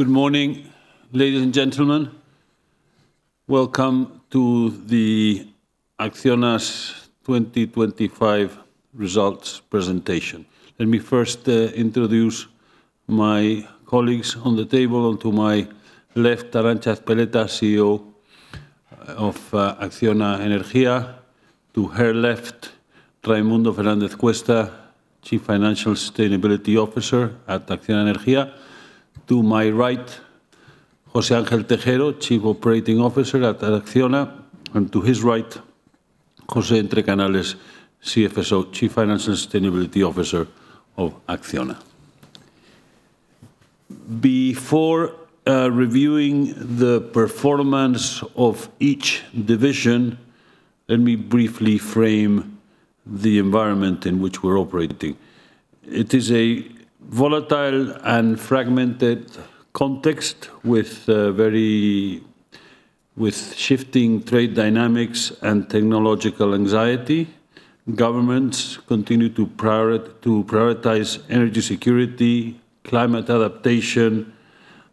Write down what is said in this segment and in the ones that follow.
Good morning, ladies and gentlemen. Welcome to the Acciona's 2025 results presentation. Let me first introduce my colleagues on the table. To my left, Arantza Ezpeleta, CEO of Acciona Energía. To her left, Raimundo Fernández-Cuesta, Chief Financial Sustainability Officer at Acciona Energía. To my right, José Ángel Tejero, Chief Operating Officer at Acciona, and to his right, José Entrecanales, CFO, Chief Financial and Sustainability Officer of Acciona. Before reviewing the performance of each division, let me briefly frame the environment in which we're operating. It is a volatile and fragmented context with shifting trade dynamics and technological anxiety. Governments continue to prioritize energy security, climate adaptation,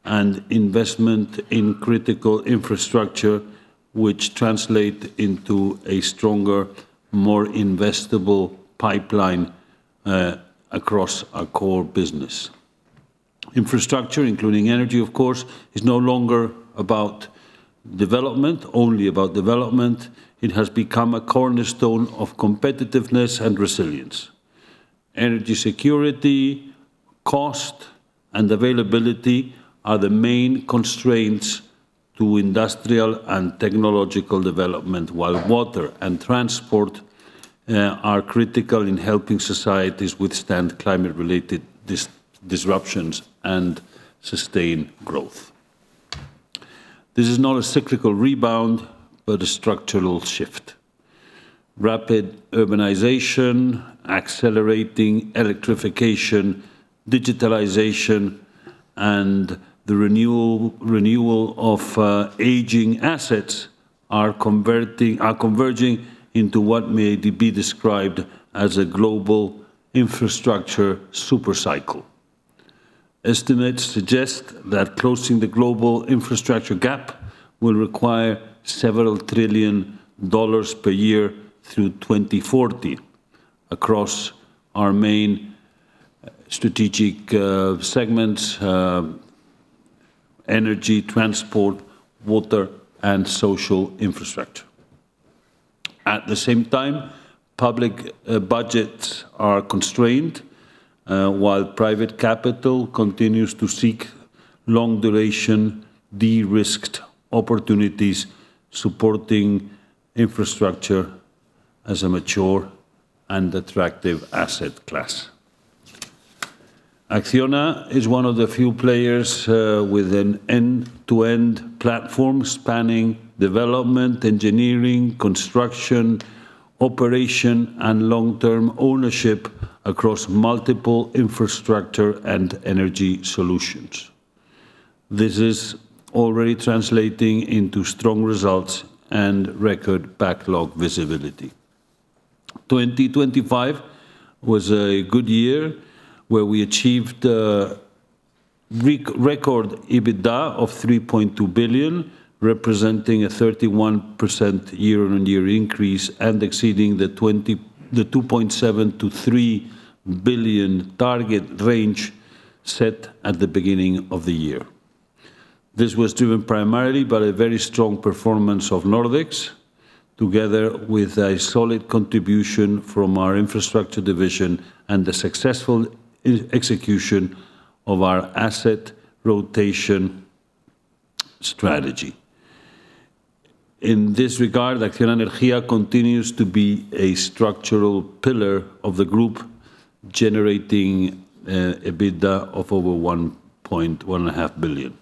and investment in critical infrastructure, which translate into a stronger, more investable pipeline across our core business. Infrastructure, including energy, of course, is no longer about development, only about development. It has become a cornerstone of competitiveness and resilience. Energy security, cost, and availability are the main constraints to industrial and technological development, while water and transport are critical in helping societies withstand climate-related disruptions and sustain growth. This is not a cyclical rebound, but a structural shift. Rapid urbanization, accelerating electrification, digitalization, and the renewal of aging assets are converging into what may be described as a global infrastructure supercycle. Estimates suggest that closing the global infrastructure gap will require several trillion dollars per year through 2040 across our main strategic segments, energy, transport, water, and social infrastructure. At the same time, public budgets are constrained while private capital continues to seek long-duration, de-risked opportunities, supporting infrastructure as a mature and attractive asset class. Acciona is one of the few players with an end-to-end platform spanning development, engineering, construction, operation, and long-term ownership across multiple infrastructure and energy solutions. This is already translating into strong results and record backlog visibility. 2025 was a good year, where we achieved record EBITDA of 3.2 billion, representing a 31% year-on-year increase and exceeding the 2.7 billion-3 billion target range set at the beginning of the year. This was driven primarily by a very strong performance of Nordex, together with a solid contribution from our infrastructure division and the successful execution of our asset rotation strategy. In this regard, Acciona Energía continues to be a structural pillar of the group, generating EBITDA of over 1.5 billion.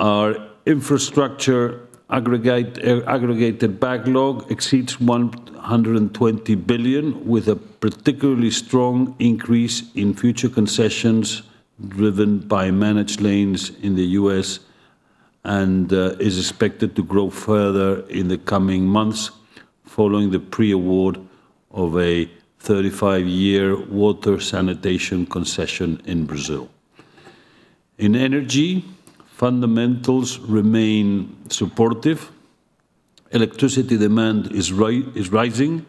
Our infrastructure aggregated backlog exceeds 120 billion, with a particularly strong increase in future concessions, driven by managed lanes in the U.S., is expected to grow further in the coming months following the pre-award of a 35-year water sanitation concession in Brazil. In energy, fundamentals remain supportive. Electricity demand is rising,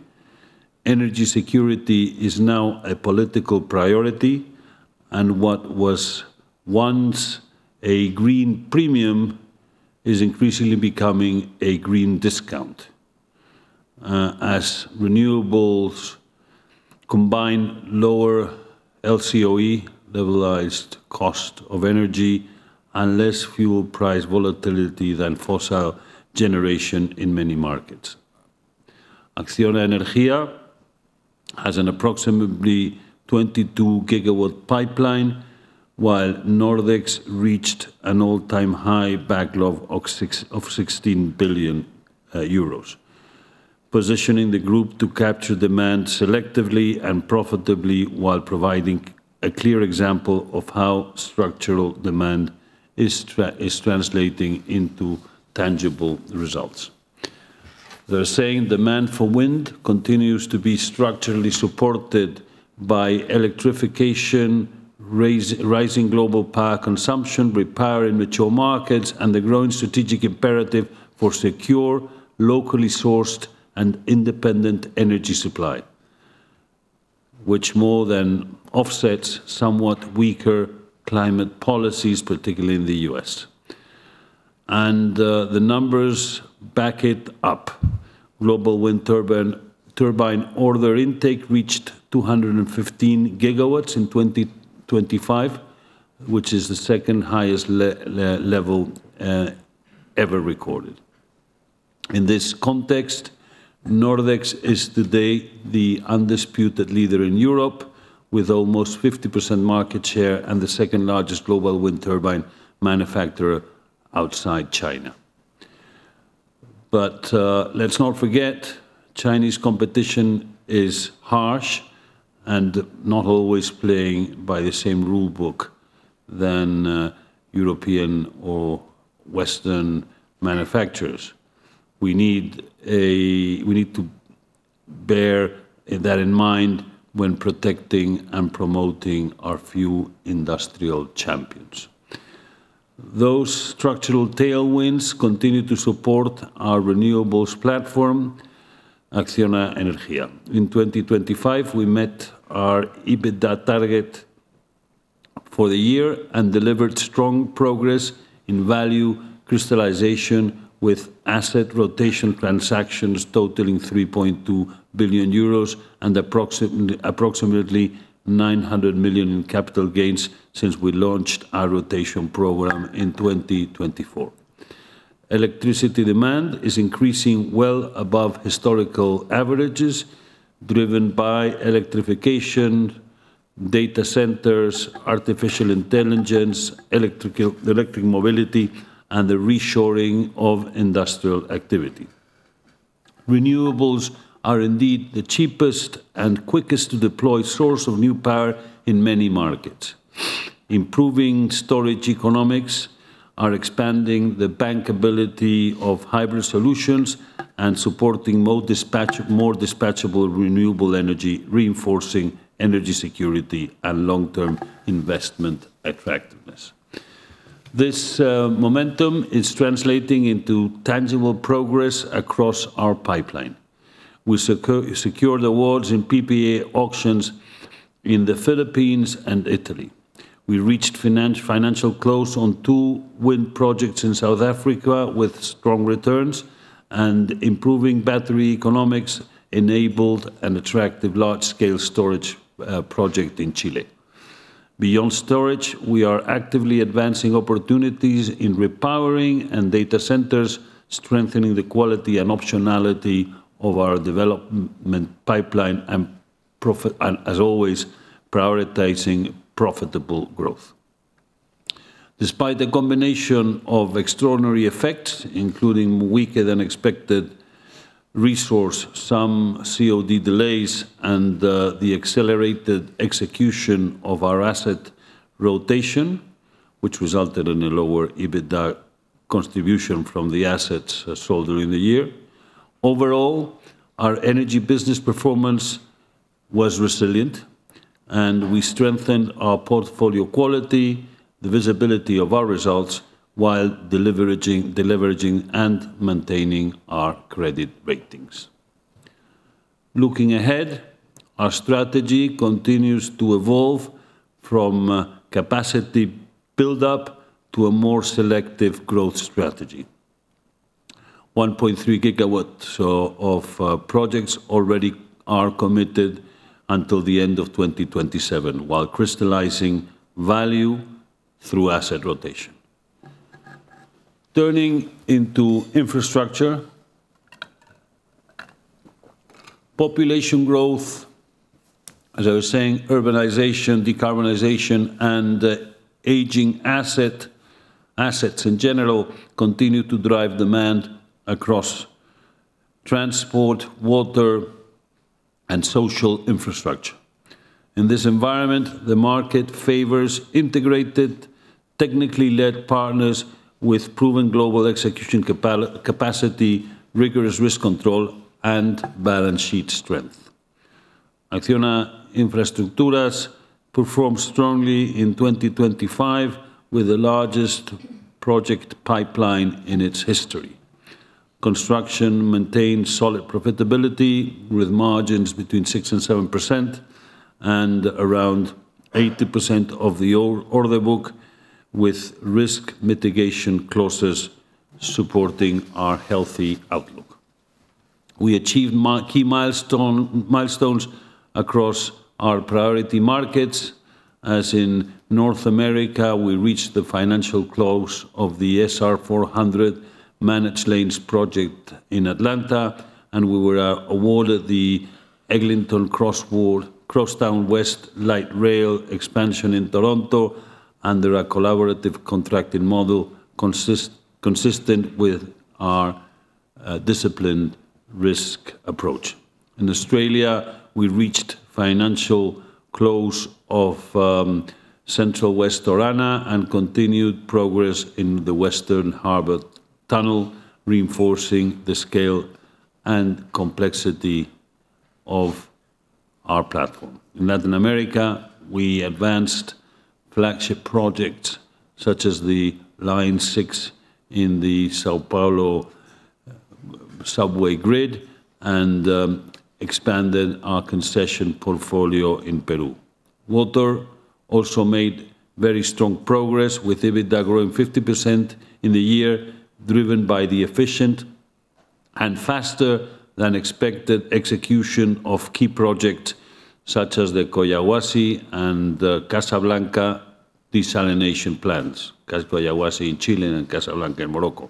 energy security is now a political priority. What was once a green premium is increasingly becoming a green discount as renewables combine lower LCOE, levelized cost of energy, and less fuel price volatility than fossil generation in many markets. Acciona Energía has an approximately 22 GW pipeline, while Nordex reached an all-time high backlog of 16 billion euros, positioning the group to capture demand selectively and profitably, while providing a clear example of how structural demand is translating into tangible results. They're saying demand for wind continues to be structurally supported by electrification, rising global power consumption, repair in mature markets, and the growing strategic imperative for secure, locally sourced, and independent energy supply, which more than offsets somewhat weaker climate policies, particularly in the U.S. The numbers back it up. Global wind turbine order intake reached 215 GW in 2025, which is the second highest level ever recorded. In this context, Nordex is today the undisputed leader in Europe, with almost 50% market share and the second-largest global wind turbine manufacturer outside China. Let's not forget, Chinese competition is harsh and not always playing by the same rulebook than European or Western manufacturers. We need to bear that in mind when protecting and promoting our few industrial champions. Those structural tailwinds continue to support our renewables platform, Acciona Energía. In 2025, we met our EBITDA target for the year and delivered strong progress in value crystallization, with asset rotation transactions totaling 3.2 billion euros and approximately 900 million in capital gains since we launched our rotation program in 2024. Electricity demand is increasing well above historical averages, driven by electrification, data centers, artificial intelligence, electric mobility, and the reshoring of industrial activity. Renewables are indeed the cheapest and quickest to deploy source of new power in many markets. Improving storage economics are expanding the bankability of hybrid solutions and supporting more dispatchable renewable energy, reinforcing energy security and long-term investment attractiveness. This momentum is translating into tangible progress across our pipeline. We secured awards in PPA auctions in the Philippines and Italy. We reached financial close on two wind projects in South Africa with strong returns, improving battery economics enabled an attractive large-scale storage project in Chile. Beyond storage, we are actively advancing opportunities in repowering and data centers, strengthening the quality and optionality of our development pipeline and profit, as always, prioritizing profitable growth. Despite the combination of extraordinary effects, including weaker than expected resource, some COD delays, the accelerated execution of our asset rotation, which resulted in a lower EBITDA contribution from the assets sold during the year. Overall, our energy business performance was resilient, we strengthened our portfolio quality, the visibility of our results, while deleveraging and maintaining our credit ratings. Looking ahead, our strategy continues to evolve from capacity build-up to a more selective growth strategy. 1.3 GW of projects already are committed until the end of 2027, while crystallizing value through asset rotation. Turning into infrastructure, population growth, as I was saying, urbanization, decarbonization, and aging assets in general, continue to drive demand across transport, water, and social infrastructure. In this environment, the market favors integrated, technically led partners with proven global execution capacity, rigorous risk control, and balance sheet strength. Acciona Infraestructuras performed strongly in 2025, with the largest project pipeline in its history. Construction maintained solid profitability, with margins between 6% and 7% and around 80% of the old order book, with risk mitigation clauses supporting our healthy outlook. We achieved key milestones across our priority markets. In North America, we reached the financial close of the SR 400 managed lanes project in Atlanta, we were awarded the Eglinton Crosstown West Extension Light Rail expansion in Toronto under a collaborative contracting model, consistent with our disciplined risk approach. In Australia, we reached financial close of Central West Orana and continued progress in the Western Harbor Tunnel, reinforcing the scale and complexity of our platform. In Latin America, we advanced flagship projects, such as the Line 6 in the São Paulo subway grid, expanded our concession portfolio in Peru. Water also made very strong progress, with EBITDA growing 50% in the year, driven by the efficient and faster-than-expected execution of key projects, such as the Coyhaique and the Casablanca desalination plants. Coyhaique in Chile and Casablanca in Morocco.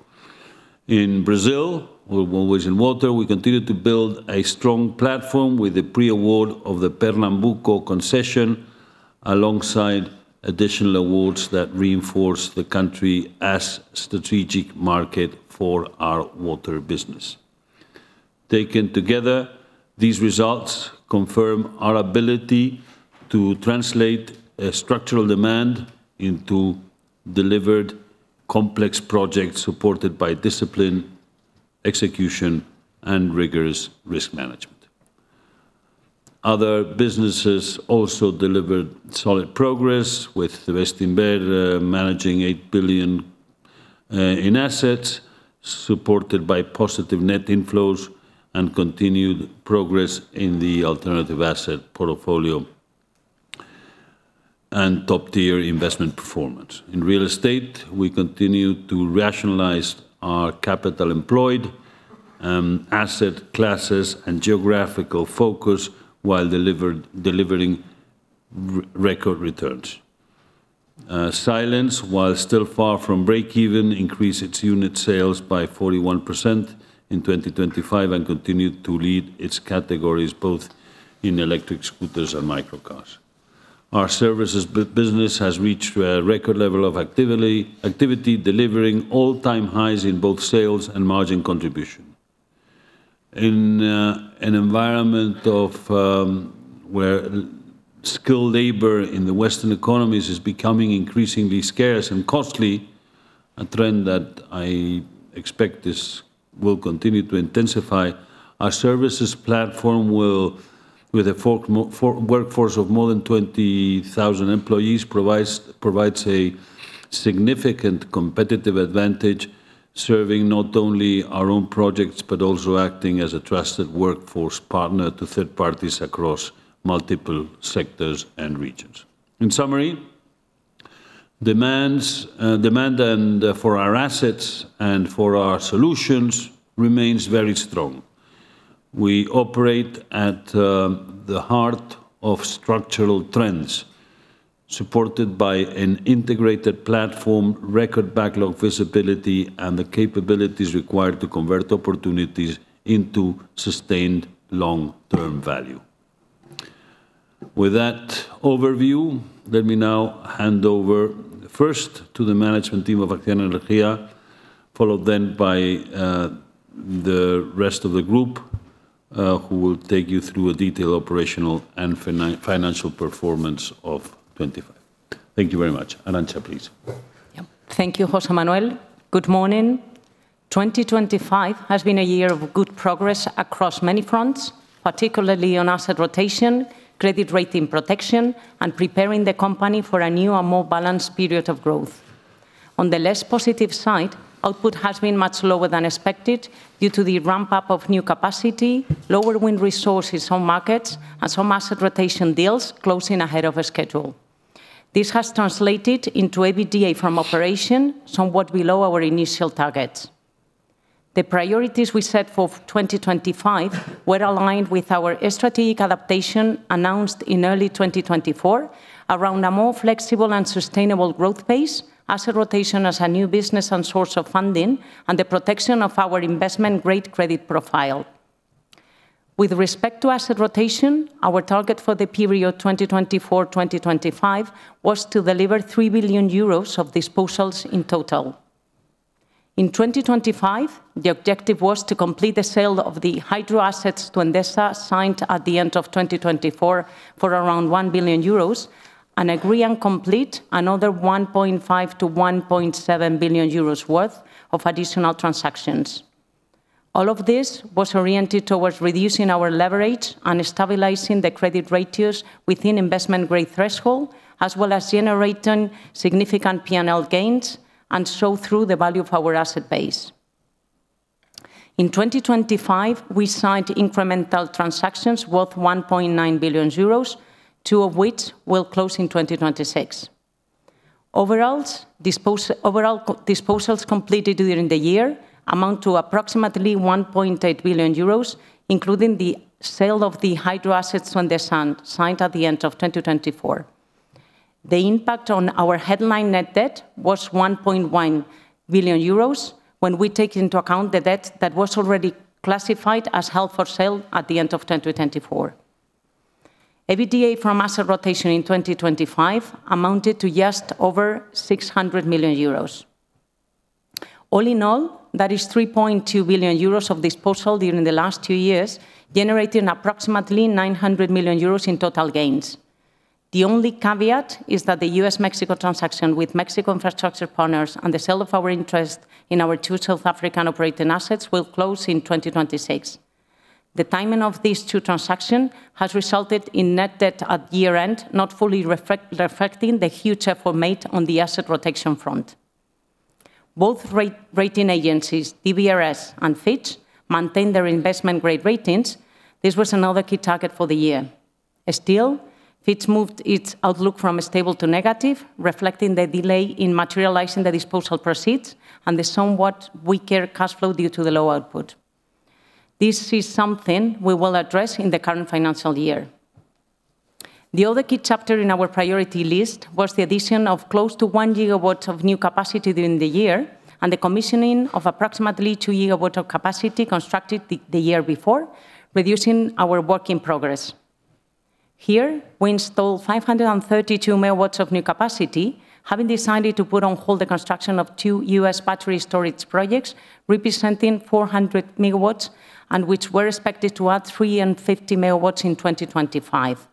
In Brazil, in Water, we continued to build a strong platform with the pre-award of the Pernambuco concession, alongside additional awards that reinforce the country as strategic market for our water business. Taken together, these results confirm our ability to translate a structural demand into delivered complex projects, supported by discipline, execution, and rigorous risk management. Other businesses also delivered solid progress, with Bestinver managing 8 billion in assets, supported by positive net inflows and continued progress in the alternative asset portfolio, and top-tier investment performance. In real estate, we continued to rationalize our capital employed, asset classes, and geographical focus while delivering re-record returns. Silence, while still far from break even, increased its unit sales by 41% in 2025 and continued to lead its categories, both in electric scooters and microcars. Our services business has reached a record level of activity, delivering all-time highs in both sales and margin contribution. In an environment of where skilled labor in the Western economies is becoming increasingly scarce and costly, a trend that I expect this will continue to intensify, our services platform will, with a fork for workforce of more than 20,000 employees, provides a significant competitive advantage, serving not only our own projects, but also acting as a trusted workforce partner to third parties across multiple sectors and regions. In summary, demands demand and for our assets and for our solutions remains very strong. We operate at the heart of structural trends, supported by an integrated platform, record backlog visibility, and the capabilities required to convert opportunities into sustained long-term value. With that overview, let me now hand over first to the management team of Acciona Energía, followed then by the rest of the group, who will take you through a detailed operational and financial performance of 2025. Thank you very much. Arantza, please. Yeah. Thank you, José Manuel. Good morning. 2025 has been a year of good progress across many fronts, particularly on asset rotation, credit rating protection, and preparing the company for a new and more balanced period of growth. On the less positive side, output has been much lower than expected due to the ramp-up of new capacity, lower wind resources on markets, and some asset rotation deals closing ahead of schedule. This has translated into EBITDA from operation somewhat below our initial targets. The priorities we set for 2025 were aligned with our strategic adaptation, announced in early 2024, around a more flexible and sustainable growth pace, asset rotation as a new business and source of funding, and the protection of our investment-grade credit profile. With respect to asset rotation, our target for the period 2024/2025 was to deliver 3 billion euros of disposals in total. In 2025, the objective was to complete the sale of the hydro assets to Endesa, signed at the end of 2024, for around 1 billion euros, and agree and complete another 1.5 billion-1.7 billion euros worth of additional transactions. All of this was oriented towards reducing our leverage and stabilizing the credit ratios within investment-grade threshold, as well as generating significant P&L gains, and so through the value of our asset base. In 2025, we signed incremental transactions worth 1.9 billion euros, two of which will close in 2026. Overall, disposals completed during the year amount to approximately 1.8 billion euros, including the sale of the hydro assets when they signed at the end of 2024. The impact on our headline net debt was 1.1 billion euros when we take into account the debt that was already classified as held for sale at the end of 2024. EBITDA from asset rotation in 2025 amounted to just over 600 million euros. That is 3.2 billion euros of disposal during the last two years, generating approximately 900 million euros in total gains. The only caveat is that the U.S.-Mexico transaction with Mexico Infrastructure Partners and the sale of our interest in our two South African operating assets will close in 2026. The timing of these two transactions has resulted in net debt at year-end, not fully reflecting the huge effort made on the asset protection front. Both rating agencies, DBRS and Fitch, maintain their investment grade ratings. This was another key target for the year. Still, Fitch moved its outlook from stable to negative, reflecting the delay in materializing the disposal proceeds and the somewhat weaker cash flow due to the low output. This is something we will address in the current financial year. The other key chapter in our priority list was the addition of close to 1 GW of new capacity during the year and the commissioning of approximately 2 GW of capacity constructed the year before, reducing our work in progress. Here, we installed 532 MW of new capacity, having decided to put on hold the construction of two U.S. battery storage projects, representing 400 MW, and which we're expected to add 350 MW in 2025.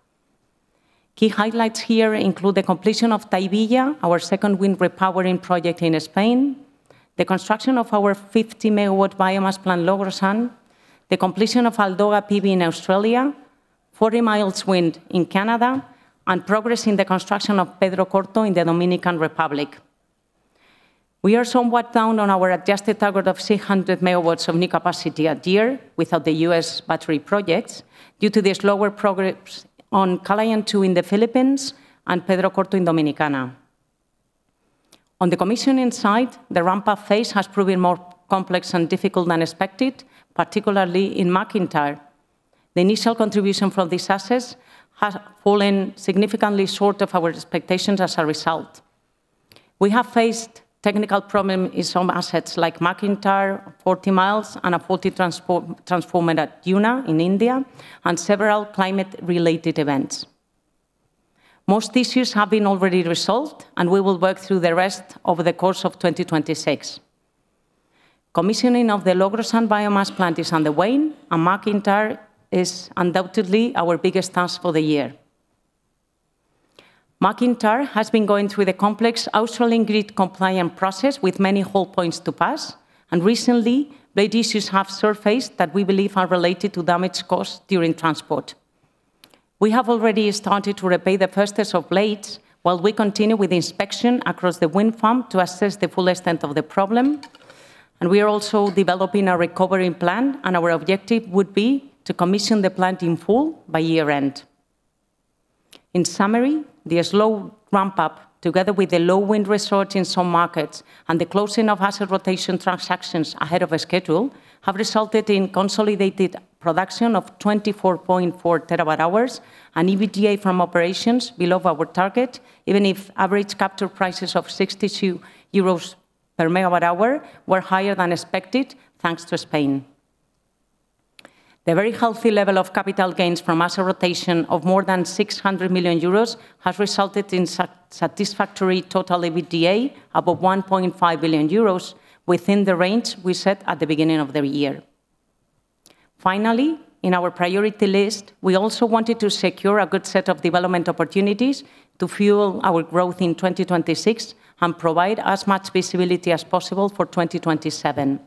Key highlights here include the completion of Tahivilla, our second wind repowering project in Spain, the construction of our 50 MW biomass plant, Logrosán, the completion of Aldoga PV in Australia, Forty Mile Wind in Canada, and progress in the construction of Pedro Corto in the Dominican Republic. We are somewhat down on our adjusted target of 600 MW of new capacity a year without the U.S. battery projects, due to the slower progress on Kalayaan 2 in the Philippines and Pedro Corto in Dominicana. On the commissioning side, the ramp-up phase has proven more complex and difficult than expected, particularly in MacIntyre. The initial contribution from these assets has fallen significantly short of our expectations as a result. We have faced technical problem in some assets like MacIntyre, Forty Mile, and a faulty transport transformer at Juna in India, and several climate-related events. Most issues have been already resolved, and we will work through the rest over the course of 2026. Commissioning of the Logrosán biomass plant is underway, and MacIntyre is undoubtedly our biggest task for the year. MacIntyre has been going through the complex Australian grid compliance process with many hold points to pass, and recently, blade issues have surfaced that we believe are related to damage caused during transport. We have already started to repay the first set of blades, while we continue with inspection across the wind farm to assess the full extent of the problem. We are also developing a recovery plan. Our objective would be to commission the plant in full by year-end. In summary, the slow ramp-up, together with the low wind resource in some markets and the closing of asset rotation transactions ahead of schedule, have resulted in consolidated production of 24.4 terawatt-hours and EBITDA from operations below our target, even if average capture prices of 62 euros/MWh were higher than expected, thanks to Spain. The very healthy level of capital gains from asset rotation of more than 600 million euros has resulted in satisfactory total EBITDA, above 1.5 billion euros, within the range we set at the beginning of the year. Finally, in our priority list, we also wanted to secure a good set of development opportunities to fuel our growth in 2026 and provide as much visibility as possible for 2027.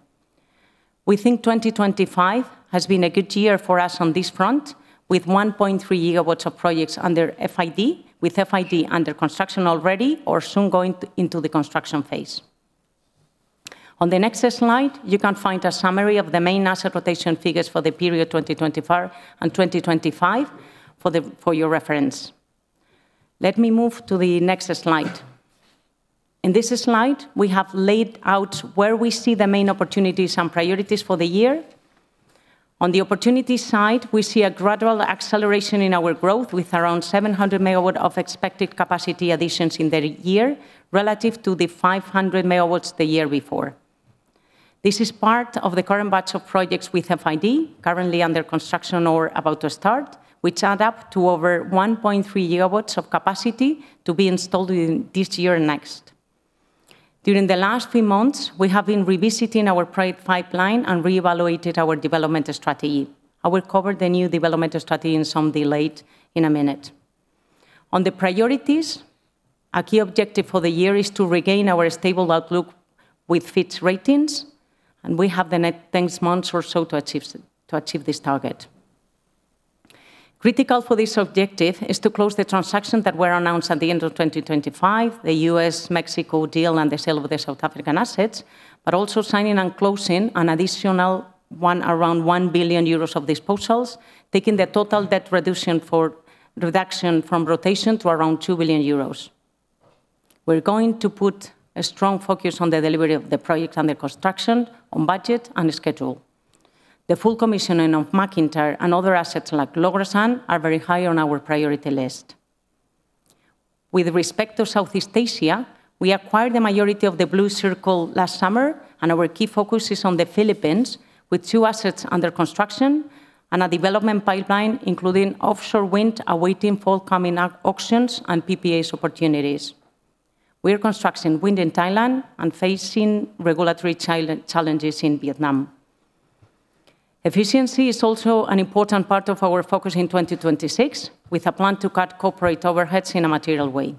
We think 2025 has been a good year for us on this front, with 1.3 GW of projects under FID, with FID under construction already or soon going into the construction phase. On the next slide, you can find a summary of the main asset rotation figures for the period 2024 and 2025 for your reference. Let me move to the next slide. In this slide, we have laid out where we see the main opportunities and priorities for the year. On the opportunity side, we see a gradual acceleration in our growth, with around 700 MW of expected capacity additions in the year, relative to the 500 MW the year before. This is part of the current batch of projects with FID, currently under construction or about to start, which add up to over 1.3 GW of capacity to be installed in this year and next. During the last three months, we have been revisiting our pipeline and reevaluated our development strategy. I will cover the new development strategy in some detail in a minute. On the priorities, a key objective for the year is to regain our stable outlook with Fitch Ratings, and we have the next six months or so to achieve this target. Critical for this objective is to close the transactions that were announced at the end of 2025, the U.S.-Mexico deal and the sale of the South African assets, also signing and closing an additional one, around 1 billion euros of disposals, taking the total debt reduction for reduction from rotation to around 2 billion euros. We're going to put a strong focus on the delivery of the project and the construction on budget and schedule. The full commissioning of MacIntyre and other assets like Logrosán are very high on our priority list. With respect to Southeast Asia, we acquired the majority of The Blue Circle last summer, our key focus is on the Philippines, with two assets under construction and a development pipeline, including offshore wind, awaiting forthcoming auctions and PPAs opportunities. We are constructing wind in Thailand facing regulatory challenges in Vietnam. Efficiency is also an important part of our focus in 2026, with a plan to cut corporate overheads in a material way.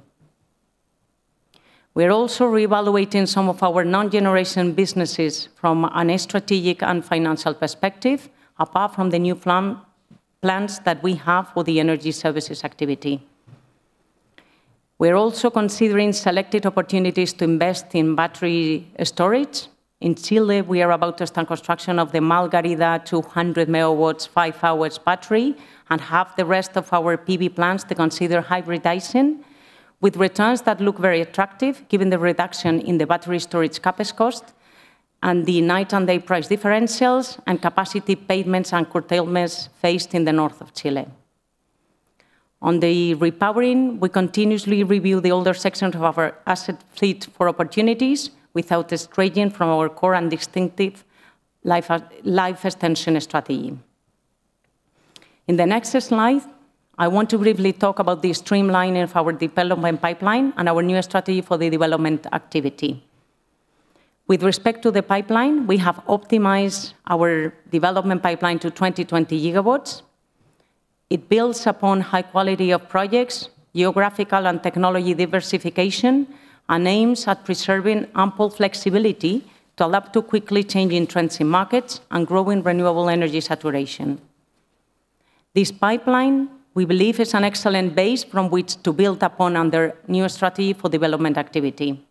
We are also reevaluating some of our non-generation businesses from an strategic and financial perspective, apart from the new plans that we have for the energy services activity. We're also considering selected opportunities to invest in battery storage. In Chile, we are about to start construction of the Malgarida 200 MW, five-hour battery, and have the rest of our PV plans to consider hybridization, with returns that look very attractive, given the reduction in the battery storage CapEx cost and the night and day price differentials and capacity payments and curtailments faced in the north of Chile. On the repowering, we continuously review the older sections of our asset fleet for opportunities, without straying from our core and distinctive life extension strategy. In the next slide, I want to briefly talk about the streamlining of our development pipeline and our new strategy for the development activity. With respect to the pipeline, we have optimized our development pipeline to 20 GW. It builds upon high quality of projects, geographical and technology diversification, and aims at preserving ample flexibility to adapt to quickly changing trends in markets and growing renewable energy saturation. This pipeline, we believe, is an excellent base from which to build upon on the new strategy for development activity.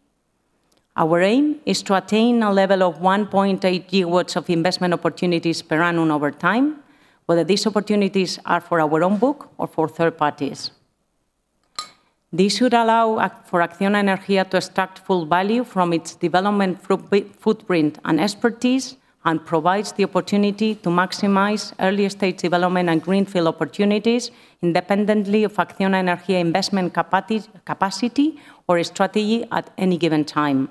Our aim is to attain a level of 1.8 GW of investment opportunities per annum over time, whether these opportunities are for our own book or for third parties. This should allow for Acciona Energía to extract full value from its development footprint and expertise, and provides the opportunity to maximize early-stage development and greenfield opportunities independently of Acciona Energía investment capacity or strategy at any given time.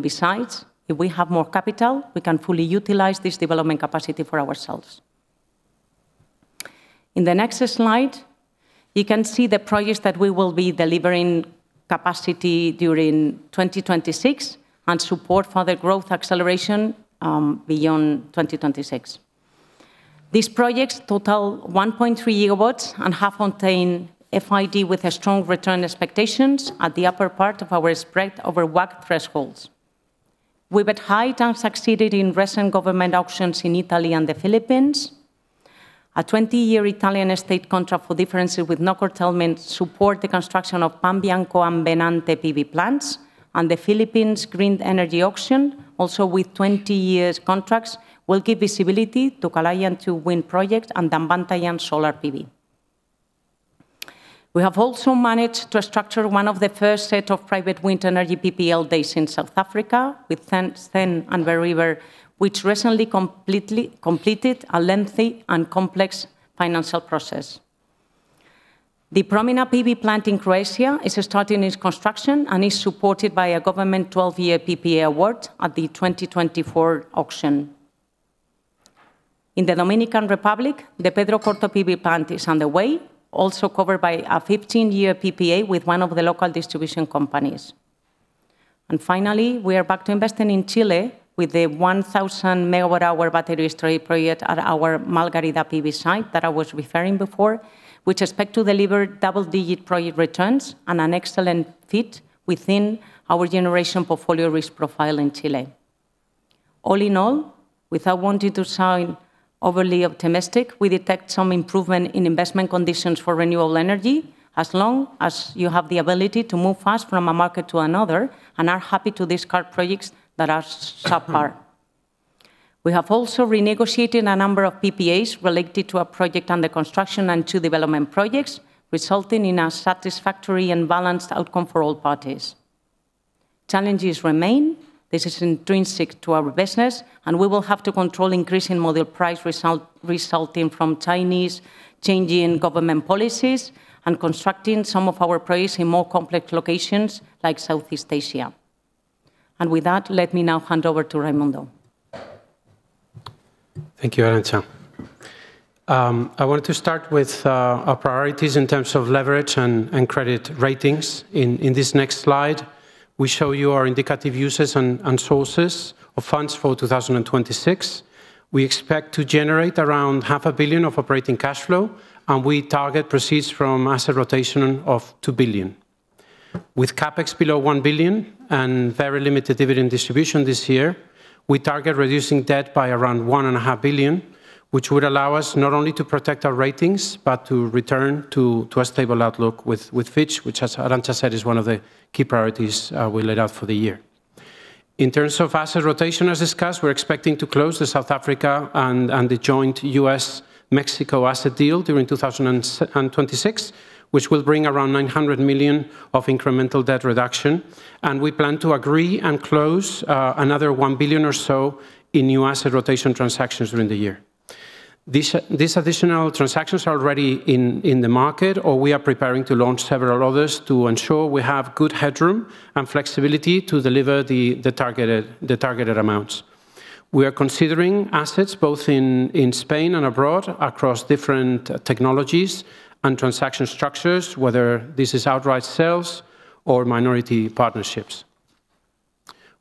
Besides, if we have more capital, we can fully utilize this development capacity for ourselves. In the next slide, you can see the projects that we will be delivering capacity during 2026, and support further growth acceleration beyond 2026. These projects total 1.3 GW and have maintained FID, with strong return expectations at the upper part of our spread over WACC thresholds. We've at height and succeeded in recent government auctions in Italy and the Philippines. A 20-year Italian state contract for differences with no curtailment support the construction of Panbianco and Benante PV plants. The Philippines Green Energy Auction, also with 20 years contracts, will give visibility to Kalayaan 2 wind project and Daanbantayan solar PV. We have also managed to structure one of the first set of private wind energy PPA deals in South Africa, with Sen and Mainriver, which recently completed a lengthy and complex financial process. The Promina PV plant in Croatia is starting its construction and is supported by a government 12-year PPA award at the 2024 auction. In the Dominican Republic, the Pedro Corto PV plant is underway, also covered by a 15-year PPA with one of the local distribution companies. Finally, we are back to investing in Chile with a 1,000 MWh battery storage project at our Malgarida PV site that I was referring before, which is expected to deliver double-digit project returns and an excellent fit within our generation portfolio risk profile in Chile. All in all, without wanting to sound overly optimistic, we detect some improvement in investment conditions for renewable energy, as long as you have the ability to move fast from a market to another and are happy to discard projects that are subpar. We have also renegotiated a number of PPAs related to a project under construction and two development projects, resulting in a satisfactory and balanced outcome for all parties. Challenges remain. This is intrinsic to our business, we will have to control increasing module price resulting from Chinese changing government policies and constructing some of our projects in more complex locations like Southeast Asia. With that, let me now hand over to Raimundo. Thank you, Arantza. I want to start with our priorities in terms of leverage and credit ratings. In this next slide, we show you our indicative uses and sources of funds for 2026. We expect to generate around half a billion of operating cash flow, and we target proceeds from asset rotation of 2 billion. With CapEx below 1 billion and very limited dividend distribution this year, we target reducing debt by around 1.5 billion, which would allow us not only to protect our ratings, but to return to a stable outlook with Fitch, which, as Arantza said, is one of the key priorities we laid out for the year. In terms of asset rotation, as discussed, we're expecting to close the South Africa and the joint U.S.-Mexico asset deal during 2026, which will bring around 900 million of incremental debt reduction. We plan to agree and close another 1 billion or so in new asset rotation transactions during the year. These additional transactions are already in the market, or we are preparing to launch several others to ensure we have good headroom and flexibility to deliver the targeted amounts. We are considering assets both in Spain and abroad, across different technologies and transaction structures, whether this is outright sales or minority partnerships.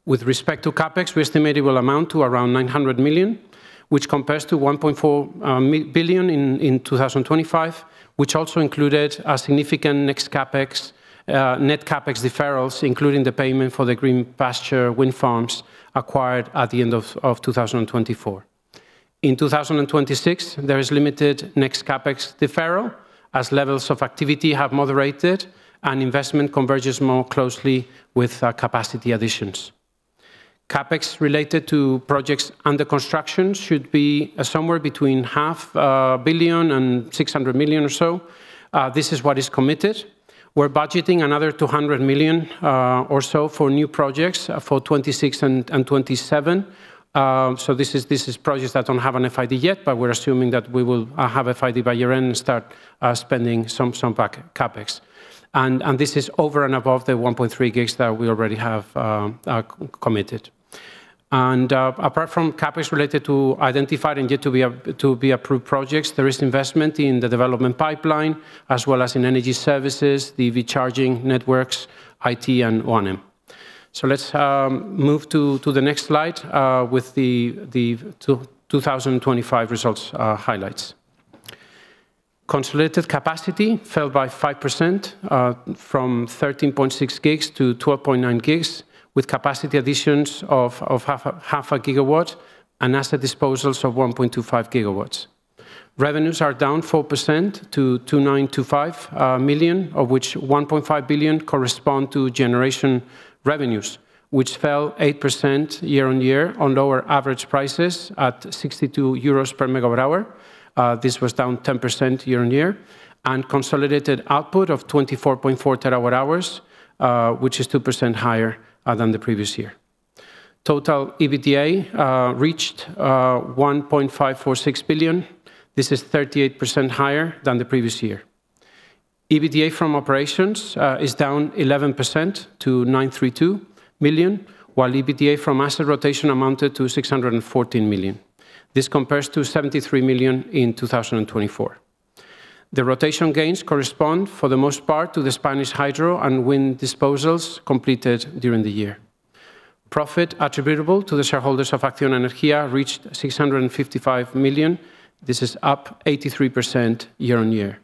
With respect to CapEx, we estimate it will amount to around 900 million, which compares to 1.4 billion in 2025, which also included a significant net CapEx deferrals, including the payment for the Green Pastures wind farms acquired at the end of 2024. In 2026, there is limited next CapEx deferral, as levels of activity have moderated and investment converges more closely with capacity additions. CapEx related to projects under construction should be somewhere between 0.5 billion and 600 million or so. This is what is committed. another 200 million or so for new projects for 2026 and 2027. This is projects that don't have an FID yet, but we're assuming that we will have FID by year-end and start spending some CapEx. This is over and above the 1.3 GW that we already have committed. Apart from CapEx related to identified and yet to be approved projects, there is investment in the development pipeline, as well as in energy services, EV charging networks, IT, and O&M. Let's move to the next slide with the 2025 results highlights. Consolidated capacity fell by 5%, from 13.6 GW to 12.9 GW, with capacity additions of 0.5 GW and asset disposals of 1.25 GW. Revenues are down 4% to 2,925 million, of which 1.5 billion correspond to generation revenues, which fell 8% year-on-year on lower average prices at 62 euros/MWh. This was down 10% year-on-year. Consolidated output of 24.4 TH, which is 2% higher than the previous year. Total EBITDA reached 1.546 billion. This is 38% higher than the previous year. EBITDA from operations is down 11% to 932 million, while EBITDA from asset rotation amounted to 614 million. This compares to 73 million in 2024. The rotation gains correspond, for the most part, to the Spanish hydro and wind disposals completed during the year. Profit attributable to the shareholders of Acciona Energía reached 655 million. This is up 83% year-on-year.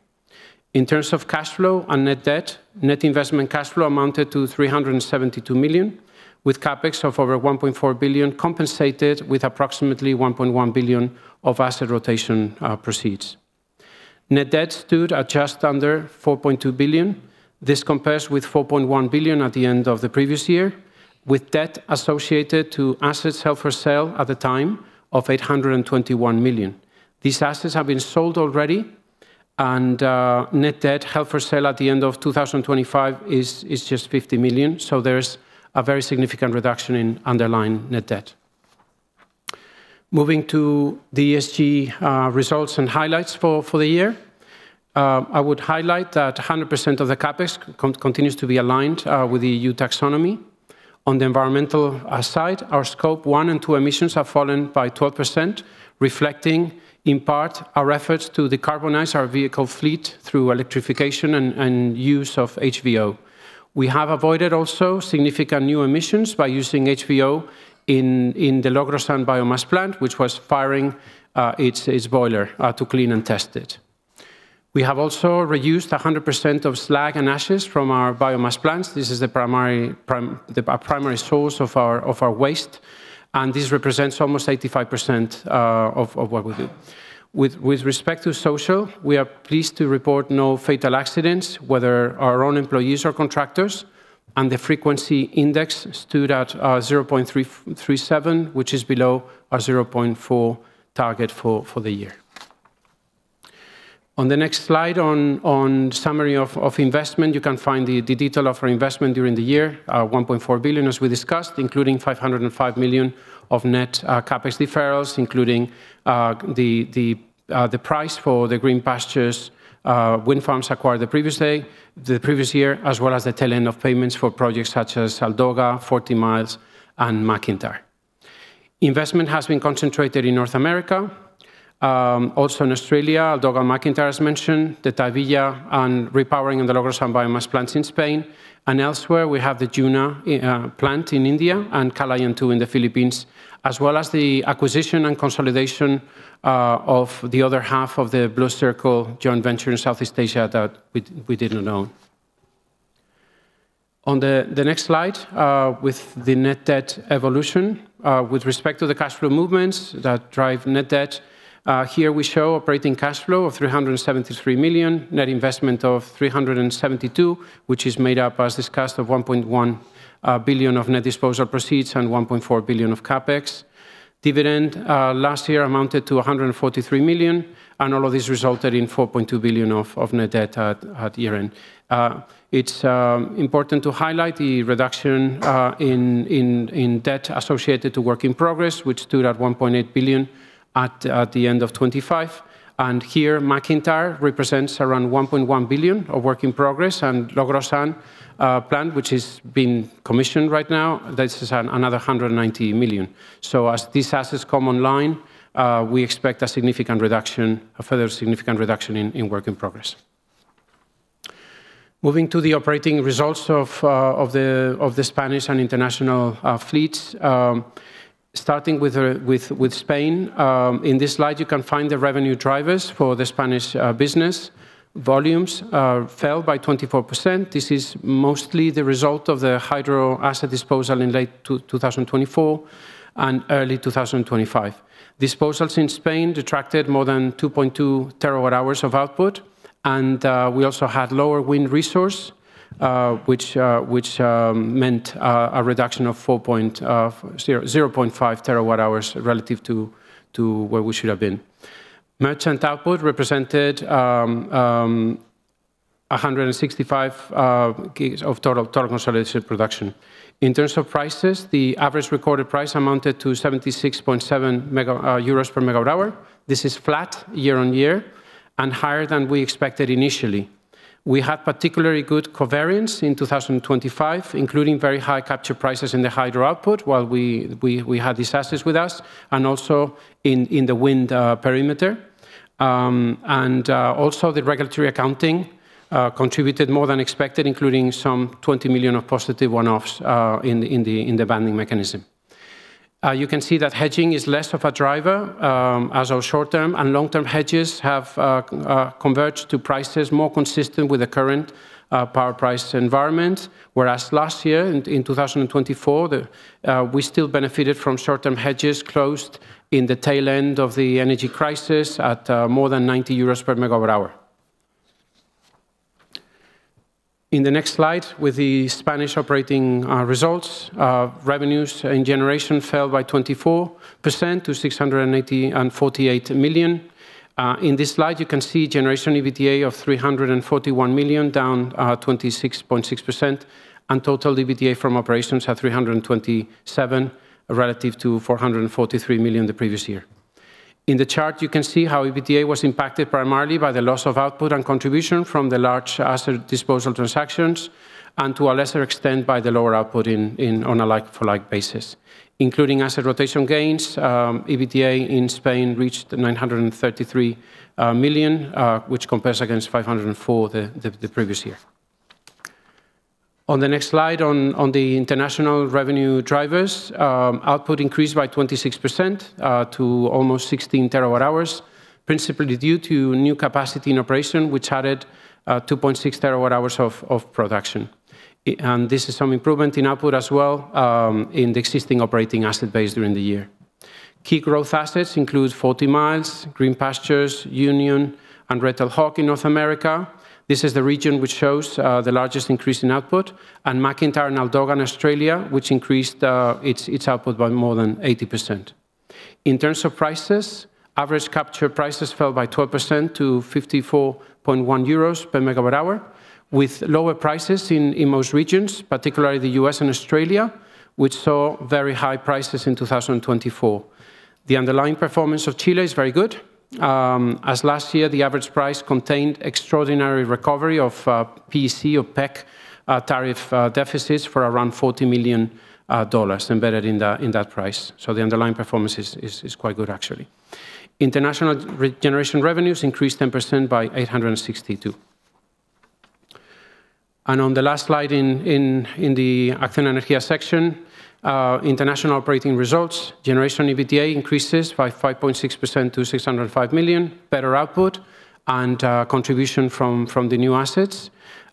In terms of cash flow and net debt, net investment cash flow amounted to 372 million, with CapEx of over 1.4 billion, compensated with approximately 1.1 billion of asset rotation proceeds. Net debt stood at just under 4.2 billion. This compares with 4.1 billion at the end of the previous year, with debt associated to assets held for sale at the time of 821 million. These assets have been sold already, and net debt held for sale at the end of 2025 is just 50 million. There's a very significant reduction in underlying net debt. Moving to the ESG results and highlights for the year. I would highlight that 100% of the CapEx continues to be aligned with the EU taxonomy. On the environmental side, our Scope 1 and 2 emissions have fallen by 12%, reflecting in part our efforts to decarbonize our vehicle fleet through electrification and use of HVO. We have avoided also significant new emissions by using HVO in the Logrosán biomass plant, which was firing its boiler to clean and test it. We have also reused 100% of slag and ashes from our biomass plants. This is the primary source of our waste. This represents almost 85% of what we do. With respect to social, we are pleased to report no fatal accidents, whether our own employees or contractors. The frequency index stood at 0.337, which is below our 0.4 target for the year. On the next slide, on summary of investment, you can find the detail of our investment during the year, 1.4 billion, as we discussed, including 505 million of net CapEx deferrals, including the price for the Green Pastures wind farms acquired the previous year, as well as the tail end of payments for projects such as Aldoga, Forty Mile, and MacIntyre. Investment has been concentrated in North America, also in Australia, Aldoga and MacIntyre, as mentioned, the Tahivilla and repowering in the Logrosán biomass plants in Spain. Elsewhere, we have the Juna plant in India and Kalayaan 2 in the Philippines, as well as the acquisition and consolidation of the other half of The Blue Circle joint venture in Southeast Asia that we didn't own. On the next slide, with the net debt evolution, with respect to the cash flow movements that drive net debt, here we show operating cash flow of 373 million, net investment of 372 million, which is made up, as discussed, of 1.1 billion of net disposal proceeds and 1.4 billion of CapEx. Dividend last year amounted to 143 million, all of these resulted in 4.2 billion of net debt at year-end. It's important to highlight the reduction in debt associated to work in progress, which stood at 1.8 billion at the end of 2025. Here, MacIntyre represents around 1.1 billion of work in progress, and Logrosán plant, which is being commissioned right now, this is another 190 million. As these assets come online, we expect a significant reduction, a further significant reduction in work in progress. Moving to the operating results of the Spanish and international fleets. Starting with Spain, in this slide, you can find the revenue drivers for the Spanish business. Volumes fell by 24%. This is mostly the result of the hydro asset disposal in late 2024 and early 2025. Disposals in Spain detracted more than 2.2 TWh of output, and we also had lower wind resource, which meant a reduction of 0.5 TWh relative to where we should have been. Merchant output represented 165 GW of total consolidated production. In terms of prices, the average recorded price amounted to 76.7 euros/MWh. This is flat year-on-year and higher than we expected initially. We had particularly good covariance in 2025, including very high capture prices in the hydro output, while we had disasters with us and also in the wind perimeter. Also the regulatory accounting contributed more than expected, including some 20 million of positive one-offs in the banding mechanism. You can see that hedging is less of a driver as our short-term and long-term hedges have converged to prices more consistent with the current power price environment. Whereas last year in 2024, we still benefited from short-term hedges closed in the tail end of the energy crisis at more than 90 euros/MWh. In the next slide, with the Spanish operating results, revenues and generation fell by 24% to 680 million and 48 million. In this slide, you can see generation EBITDA of 341 million, down 26.6%, and total EBITDA from operations at 327 million, relative to 443 million the previous year. In the chart, you can see how EBITDA was impacted primarily by the loss of output and contribution from the large asset disposal transactions, and to a lesser extent, by the lower output on a like-for-like basis. Including asset rotation gains, EBITDA in Spain reached 933 million, which compares against 504 million the previous year. On the next slide, on the international revenue drivers, output increased by 26% to almost 16 TWh, principally due to new capacity in operation, which added 2.6 TWh of production. This is some improvement in output as well in the existing operating asset base during the year. Key growth assets include Forty Mile, Green Pastures, Union, and Red Tail Hawk in North America. This is the region which shows the largest increase in output, and MacIntyre and Aldoga in Australia, which increased its output by more than 80%. In terms of prices, average capture prices fell by 12% to 54.1 euros/MWh hour, with lower prices in most regions, particularly the U.S. and Australia, which saw very high prices in 2024. The underlying performance of Chile is very good. As last year, the average price contained extraordinary recovery of PEC or PEC tariff deficits for around $40 million embedded in that price. The underlying performance is quite good, actually. International regeneration revenues increased 10% by 862. On the last slide, in the Acciona Energía section, international operating results, generation EBITDA increases by 5.6% to 605 million, better output and contribution from the new assets,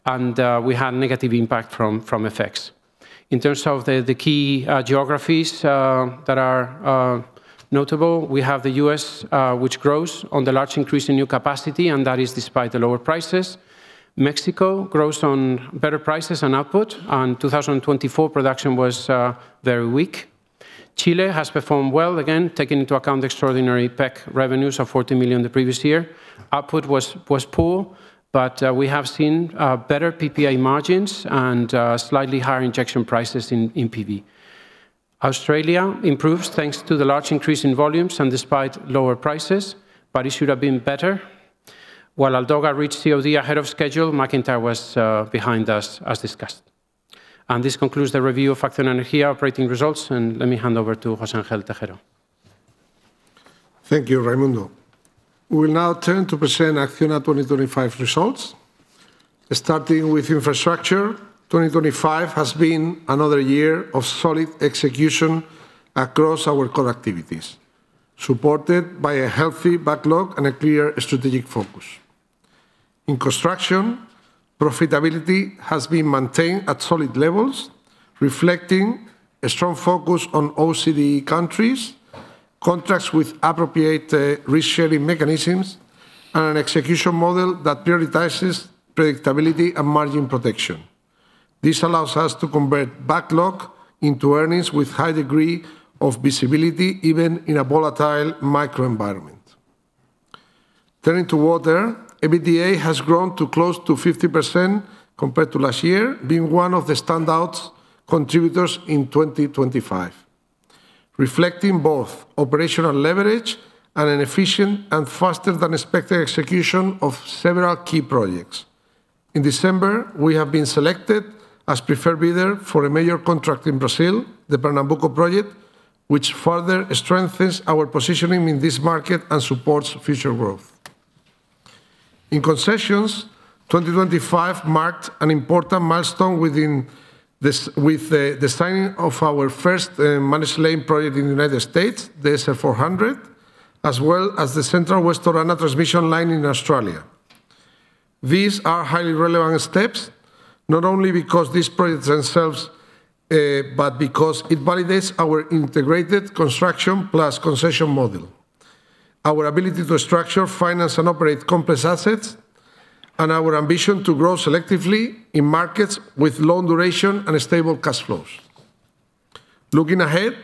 and we had negative impact from FX. In terms of the key geographies that are notable, we have the U.S., which grows on the large increase in new capacity, and that is despite the lower prices. Mexico grows on better prices and output, 2024 production was very weak. Chile has performed well, again, taking into account the extraordinary PEC revenues of 40 million the previous year. Output was poor, but we have seen better PPA margins and slightly higher injection prices in PV. Australia improves, thanks to the large increase in volumes and despite lower prices. It should have been better. While Aldoga reached COD ahead of schedule, MacIntyre was behind us, as discussed. This concludes the review of Acciona Energía operating results. Let me hand over to José Ángel Tejero. Thank you, Raimundo. We will now turn to present Acciona 2025 results. Starting with infrastructure, 2025 has been another year of solid execution across our core activities, supported by a healthy backlog and a clear strategic focus. In construction, profitability has been maintained at solid levels, reflecting a strong focus on OCDE countries, contracts with appropriate risk-sharing mechanisms, and an execution model that prioritizes predictability and margin protection. This allows us to convert backlog into earnings with high degree of visibility, even in a volatile microenvironment. Turning to water, EBITDA has grown to close to 50% compared to last year, being one of the standout contributors in 2025, reflecting both operational leverage and an efficient and faster-than-expected execution of several key projects. In December, we have been selected as preferred bidder for a major contract in Brazil, the Pernambuco project which further strengthens our positioning in this market and supports future growth. In concessions, 2025 marked an important milestone with the signing of our first managed lane project in the United States, the SR 400, as well as the Central-West Orana transmission line in Australia. These are highly relevant steps, not only because these projects themselves, but because it validates our integrated construction plus concession model, our ability to structure, finance, and operate complex assets, and our ambition to grow selectively in markets with long duration and stable cash flows. Looking ahead,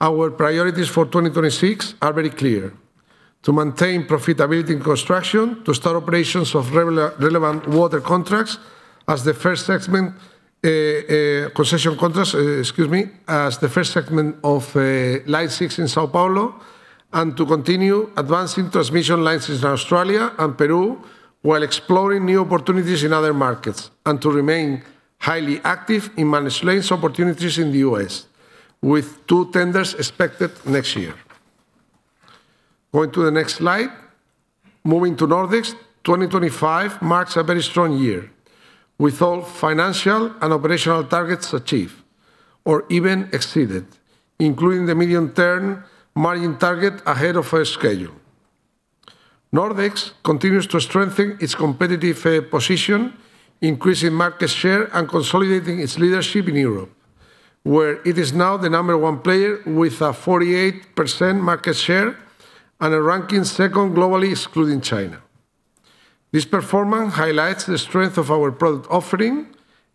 our priorities for 2026 are very clear: to maintain profitability in construction, to start operations of relevant water contracts as the first segment, concession contracts, excuse me, as the first segment of line 6 in São Paulo, and to continue advancing transmission lines in Australia and Peru, while exploring new opportunities in other markets, and to remain highly active in managed lanes opportunities in the U.S., with two tenders expected next year. Going to the next slide. Moving to Nordex, 2025 marks a very strong year, with all financial and operational targets achieved or even exceeded, including the medium-term margin target ahead of our schedule. Nordex continues to strengthen its competitive position, increasing market share and consolidating its leadership in Europe, where it is now the number one player with a 48% market share and ranking second globally, excluding China. This performance highlights the strength of our product offering,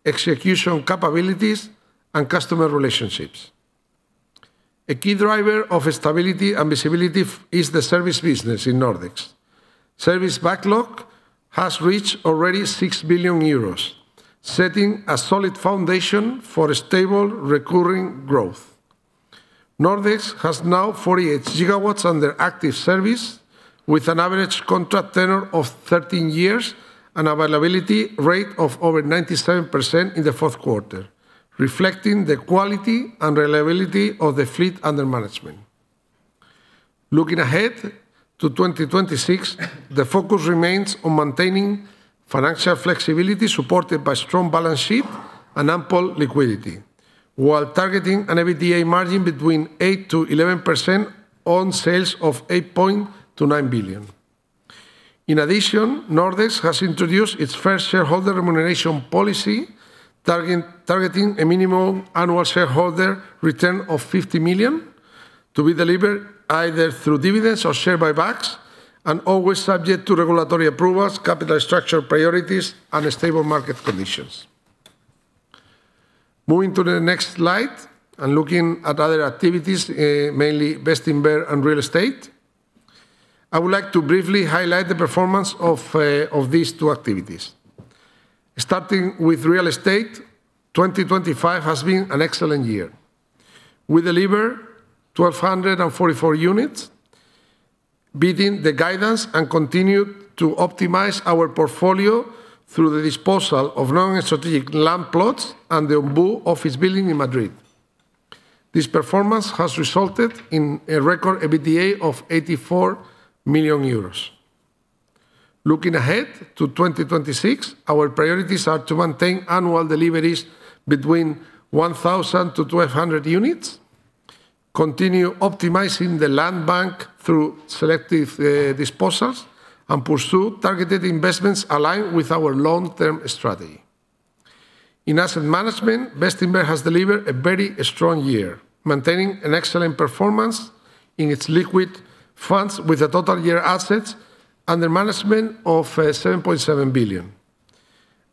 execution capabilities, and customer relationships. A key driver of stability and visibility is the service business in Nordex. Service backlog has reached already 6 billion euros, setting a solid foundation for a stable, recurring growth. Nordex has now 48 GW under active service, with an average contract tenure of 13 years and availability rate of over 97% in the fourth quarter, reflecting the quality and reliability of the fleet under management. Looking ahead to 2026, the focus remains on maintaining financial flexibility, supported by strong balance sheet and ample liquidity, while targeting an EBITDA margin between 8%-11% on sales of 8 billion-9 billion. In addition, Nordex has introduced its first shareholder remuneration policy, targeting a minimum annual shareholder return of 50 million, to be delivered either through dividends or share buybacks, and always subject to regulatory approvals, capital structure priorities, and stable market conditions. Moving to the next slide, looking at other activities, mainly Bestinver and real estate. I would like to briefly highlight the performance of these two activities. Starting with real estate, 2025 has been an excellent year. We delivered 1,244 units, beating the guidance, and continued to optimize our portfolio through the disposal of non-strategic land plots and the Ombú office building in Madrid. This performance has resulted in a record EBITDA of 84 million euros. Looking ahead to 2026, our priorities are to maintain annual deliveries between 1,000-1,200 units, continue optimizing the land bank through selective disposals, and pursue targeted investments aligned with our long-term strategy. In asset management, Bestinver has delivered a very strong year, maintaining an excellent performance in its liquid funds, with a total year assets under management of 7.7 billion.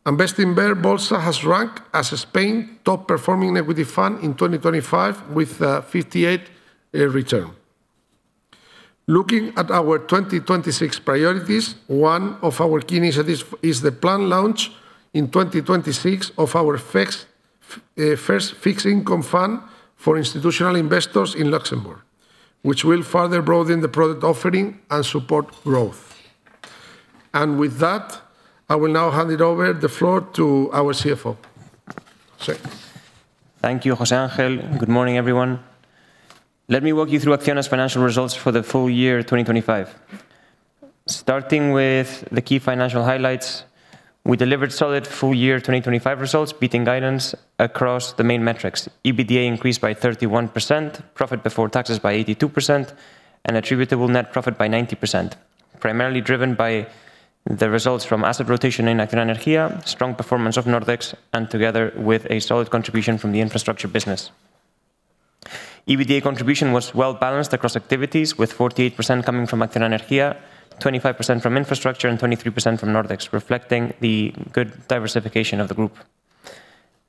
Bestinver Bolsa has ranked as Spain's top-performing equity fund in 2025 with a 58% return. Looking at our 2026 priorities, one of our key initiatives is the planned launch in 2026 of our first fixed-income fund for institutional investors in Luxembourg, which will further broaden the product offering and support growth. With that, I will now hand it over the floor to our CFO, José. Thank you, José Ángel. Good morning, everyone. Let me walk you through Acciona's financial results for the full year 2025. Starting with the key financial highlights, we delivered solid full year 2025 results, beating guidance across the main metrics. EBITDA increased by 31%, profit before taxes by 82%, and attributable net profit by 90%, primarily driven by the results from asset rotation in Acciona Energía, strong performance of Nordex, and together with a solid contribution from the infrastructure business. EBITDA contribution was well-balanced across activities, with 48% coming from Acciona Energía, 25% from infrastructure, and 23% from Nordex, reflecting the good diversification of the group.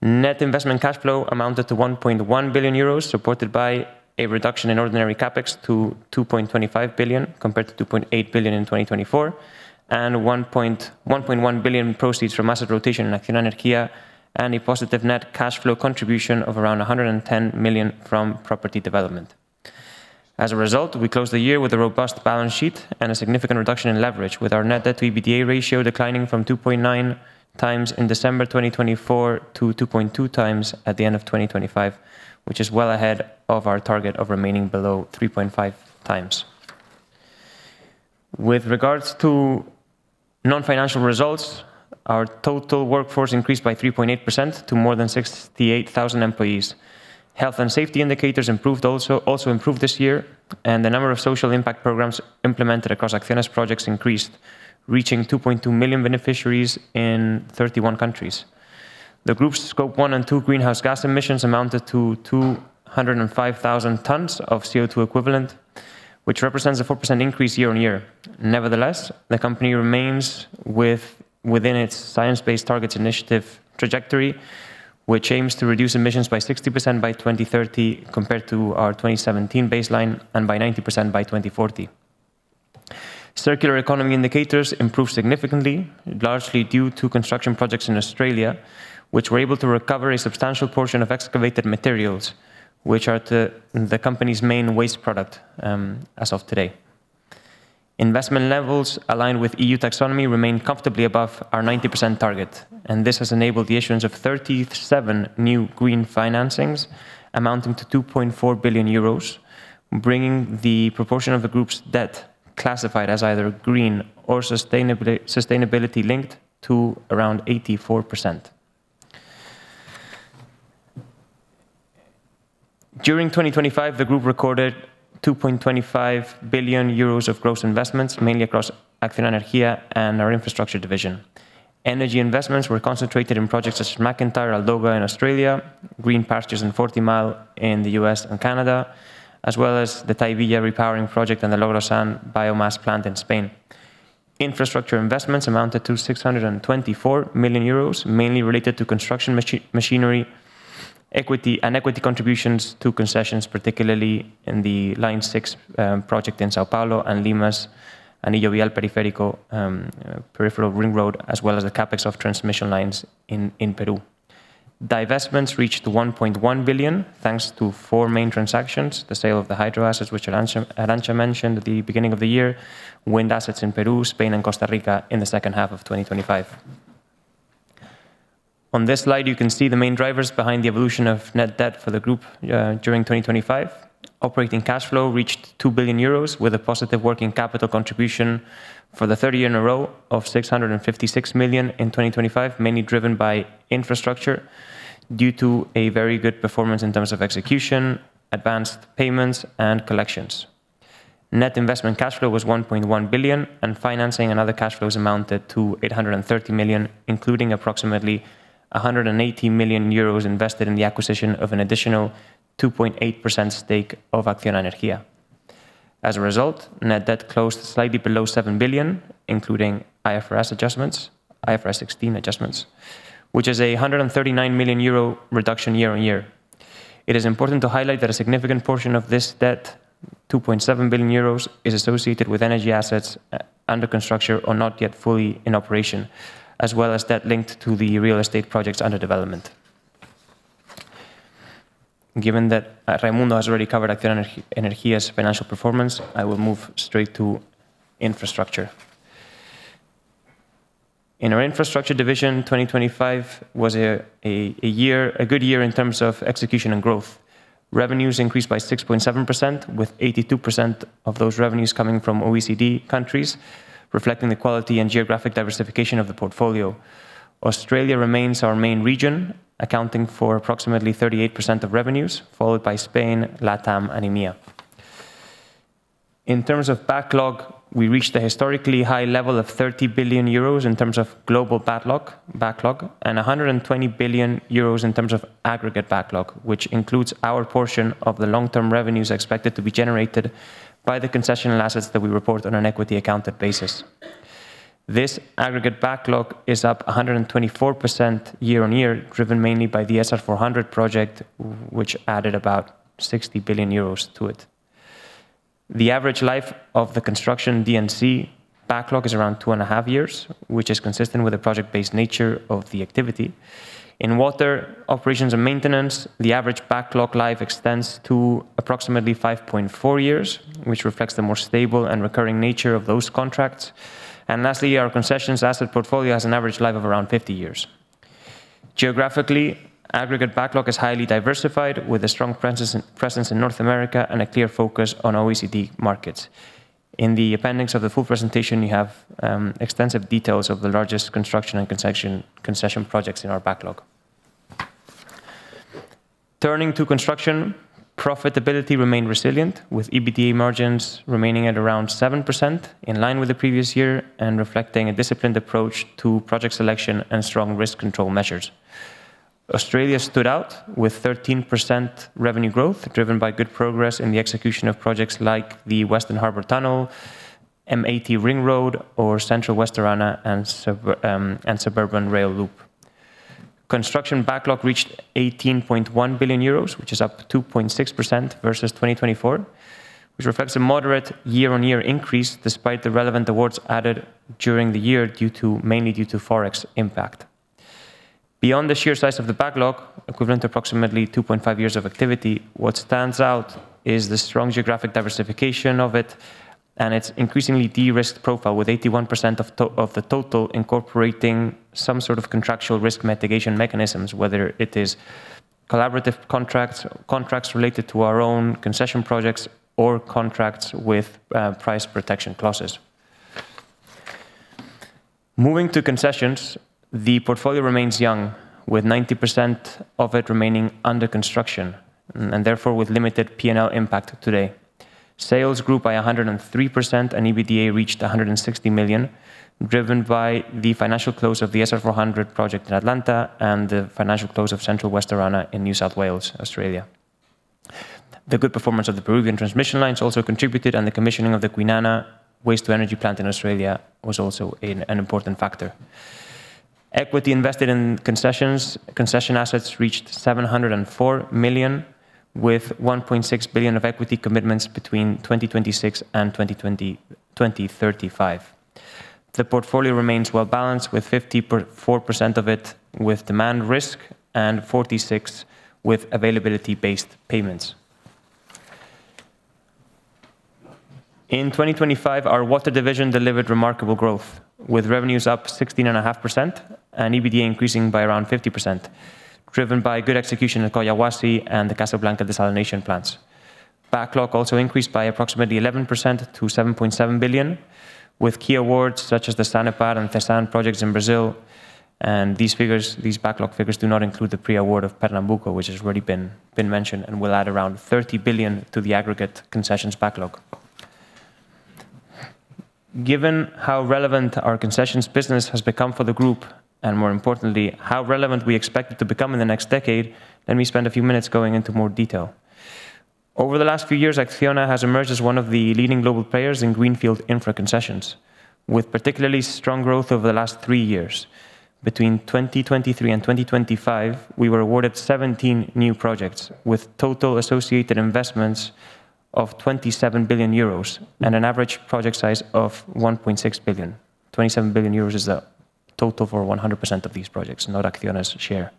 Net investment cash flow amounted to 1.1 billion euros, supported by a reduction in ordinary CapEx to 2.25 billion, compared to 2.8 billion in 2024, and 1.1 billion proceeds from asset rotation in Acciona Energía, and a positive net cash flow contribution of around 110 million from property development. As a result, we closed the year with a robust balance sheet and a significant reduction in leverage, with our net debt to EBITDA ratio declining from 2.9x in December 2024 to 2.2x at the end of 2025, which is well ahead of our target of remaining below 3.5x. With regards to non-financial results, our total workforce increased by 3.8% to more than 68,000 employees. Health and safety indicators also improved this year. The number of social impact programs implemented across Acciona's projects increased, reaching 2.2 million beneficiaries in 31 countries. The group's Scope 1 and 2 greenhouse gas emissions amounted to 205,000 tons of CO₂ equivalent, which represents a 4% increase year-on-year. Nevertheless, the company remains within its Science Based Targets initiative trajectory, which aims to reduce emissions by 60% by 2030 compared to our 2017 baseline, and by 90% by 2040. Circular economy indicators improved significantly, largely due to construction projects in Australia, which were able to recover a substantial portion of excavated materials, which are the company's main waste product as of today. Investment levels aligned with EU taxonomy remain comfortably above our 90% target, this has enabled the issuance of 37 new green financings amounting to 2.4 billion euros, bringing the proportion of the group's debt classified as either green or sustainability linked to around 84%. During 2025, the group recorded 2.25 billion euros of gross investments, mainly across Acciona Energía and our infrastructure division. Energy investments were concentrated in projects such as MacIntyre, Aldoga in Australia, Green Pastures and Forty Mile in the U.S. and Canada, as well as the Tahivilla Repowering Project and the Logrosán Biomass Plant in Spain. Infrastructure investments amounted to 624 million euros, mainly related to construction machinery, equity, and equity contributions to concessions, particularly in the Line 6 project in São Paulo and Lima, and the UVL Periférico peripheral ring road, as well as the CapEx of transmission lines in Peru. Divestments reached 1.1 billion, thanks to four main transactions: the sale of the hydro assets, which Arancha mentioned at the beginning of the year, wind assets in Peru, Spain, and Costa Rica in the second half of 2025. On this slide, you can see the main drivers behind the evolution of net debt for the group during 2025. Operating cash flow reached 2 billion euros, with a positive working capital contribution for the third year in a row of 656 million in 2025, mainly driven by infrastructure, due to a very good performance in terms of execution, advanced payments, and collections. Net investment cash flow was 1.1 billion, and financing and other cash flows amounted to 830 million, including approximately 180 million euros invested in the acquisition of an additional 2.8% stake of Acciona Energía. As a result, net debt closed slightly below 7 billion, including IFRS adjustments, IFRS 16 adjustments, which is a 139 million euro reduction year-on-year. It is important to highlight that a significant portion of this debt, 2.7 billion euros, is associated with energy assets under construction or not yet fully in operation, as well as debt linked to the real estate projects under development. Given that Raimundo has already covered Acciona Energía's financial performance, I will move straight to infrastructure. In our infrastructure division, 2025 was a good year in terms of execution and growth. Revenues increased by 6.7%, with 82% of those revenues coming from OECD countries, reflecting the quality and geographic diversification of the portfolio. Australia remains our main region, accounting for approximately 38% of revenues, followed by Spain, LATAM, and EMEA. In terms of backlog, we reached a historically high level of 30 billion euros in terms of global backlog, and 120 billion euros in terms of aggregate backlog, which includes our portion of the long-term revenues expected to be generated by the concessional assets that we report on an equity accounted basis. This aggregate backlog is up 124% year-on-year, driven mainly by the SR 400 project, which added about 60 billion euros to it. The average life of the construction D&C backlog is around two and a half years, which is consistent with the project-based nature of the activity. In water, operations, and maintenance, the average backlog life extends to approximately 5.4 years, which reflects the more stable and recurring nature of those contracts. Lastly, our concessions asset portfolio has an average life of around 50 years. Geographically, aggregate backlog is highly diversified, with a strong presence in North America and a clear focus on OECD markets. In the appendix of the full presentation, we have extensive details of the largest construction and concession projects in our backlog. Turning to construction, profitability remained resilient, with EBITDA margins remaining at around 7%, in line with the previous year, and reflecting a disciplined approach to project selection and strong risk control measures. Australia stood out with 13% revenue growth, driven by good progress in the execution of projects like the Western Harbor Tunnel, M80 Ring Road, or Central-West Orana and Suburban Rail Loop. Construction backlog reached 18.1 billion euros, which is up 2.6% versus 2024, which reflects a moderate year-on-year increase despite the relevant awards added during the year mainly due to Forex impact. Beyond the sheer size of the backlog, equivalent to approximately 2.5 years of activity, what stands out is the strong geographic diversification of it and its increasingly de-risked profile, with 81% of the total incorporating some sort of contractual risk mitigation mechanisms, whether it is collaborative contracts related to our own concession projects, or contracts with price protection clauses. Moving to concessions, the portfolio remains young, with 90% of it remaining under construction, and therefore with limited P&L impact today. Sales grew by 103%, and EBITDA reached 160 million, driven by the financial close of the SR400 project in Atlanta and the financial close of Central-West Orana in New South Wales, Australia. The good performance of the Peruvian transmission lines also contributed, and the commissioning of the Kwinana waste-to-energy plant in Australia was also an important factor. Equity invested in concession assets reached 704 million, with 1.6 billion of equity commitments between 2026 and 2035. The portfolio remains well-balanced, with 54% of it with demand risk and 46% with availability-based payments. In 2025, our water division delivered remarkable growth, with revenues up 16.5% and EBITDA increasing by around 50%, driven by good execution at Collahuasi and the Casablanca desalination plants. Backlog also increased by approximately 11% to 7.7 billion, with key awards such as the Sanepar and Tesan projects in Brazil, and these backlog figures do not include the pre-award of Pernambuco, which has already been mentioned and will add around 30 billion to the aggregate concessions backlog. Given how relevant our concessions business has become for the group, and more importantly, how relevant we expect it to become in the next decade, let me spend a few minutes going into more detail. Over the last few years, Acciona has emerged as one of the leading global players in greenfield infra concessions, with particularly strong growth over the last three years. Between 2023 and 2025, we were awarded 17 new projects, with total associated investments of 27 billion euros and an average project size of 1.6 billion. 27 billion euros is the total for 100% of these projects, not Acciona's share.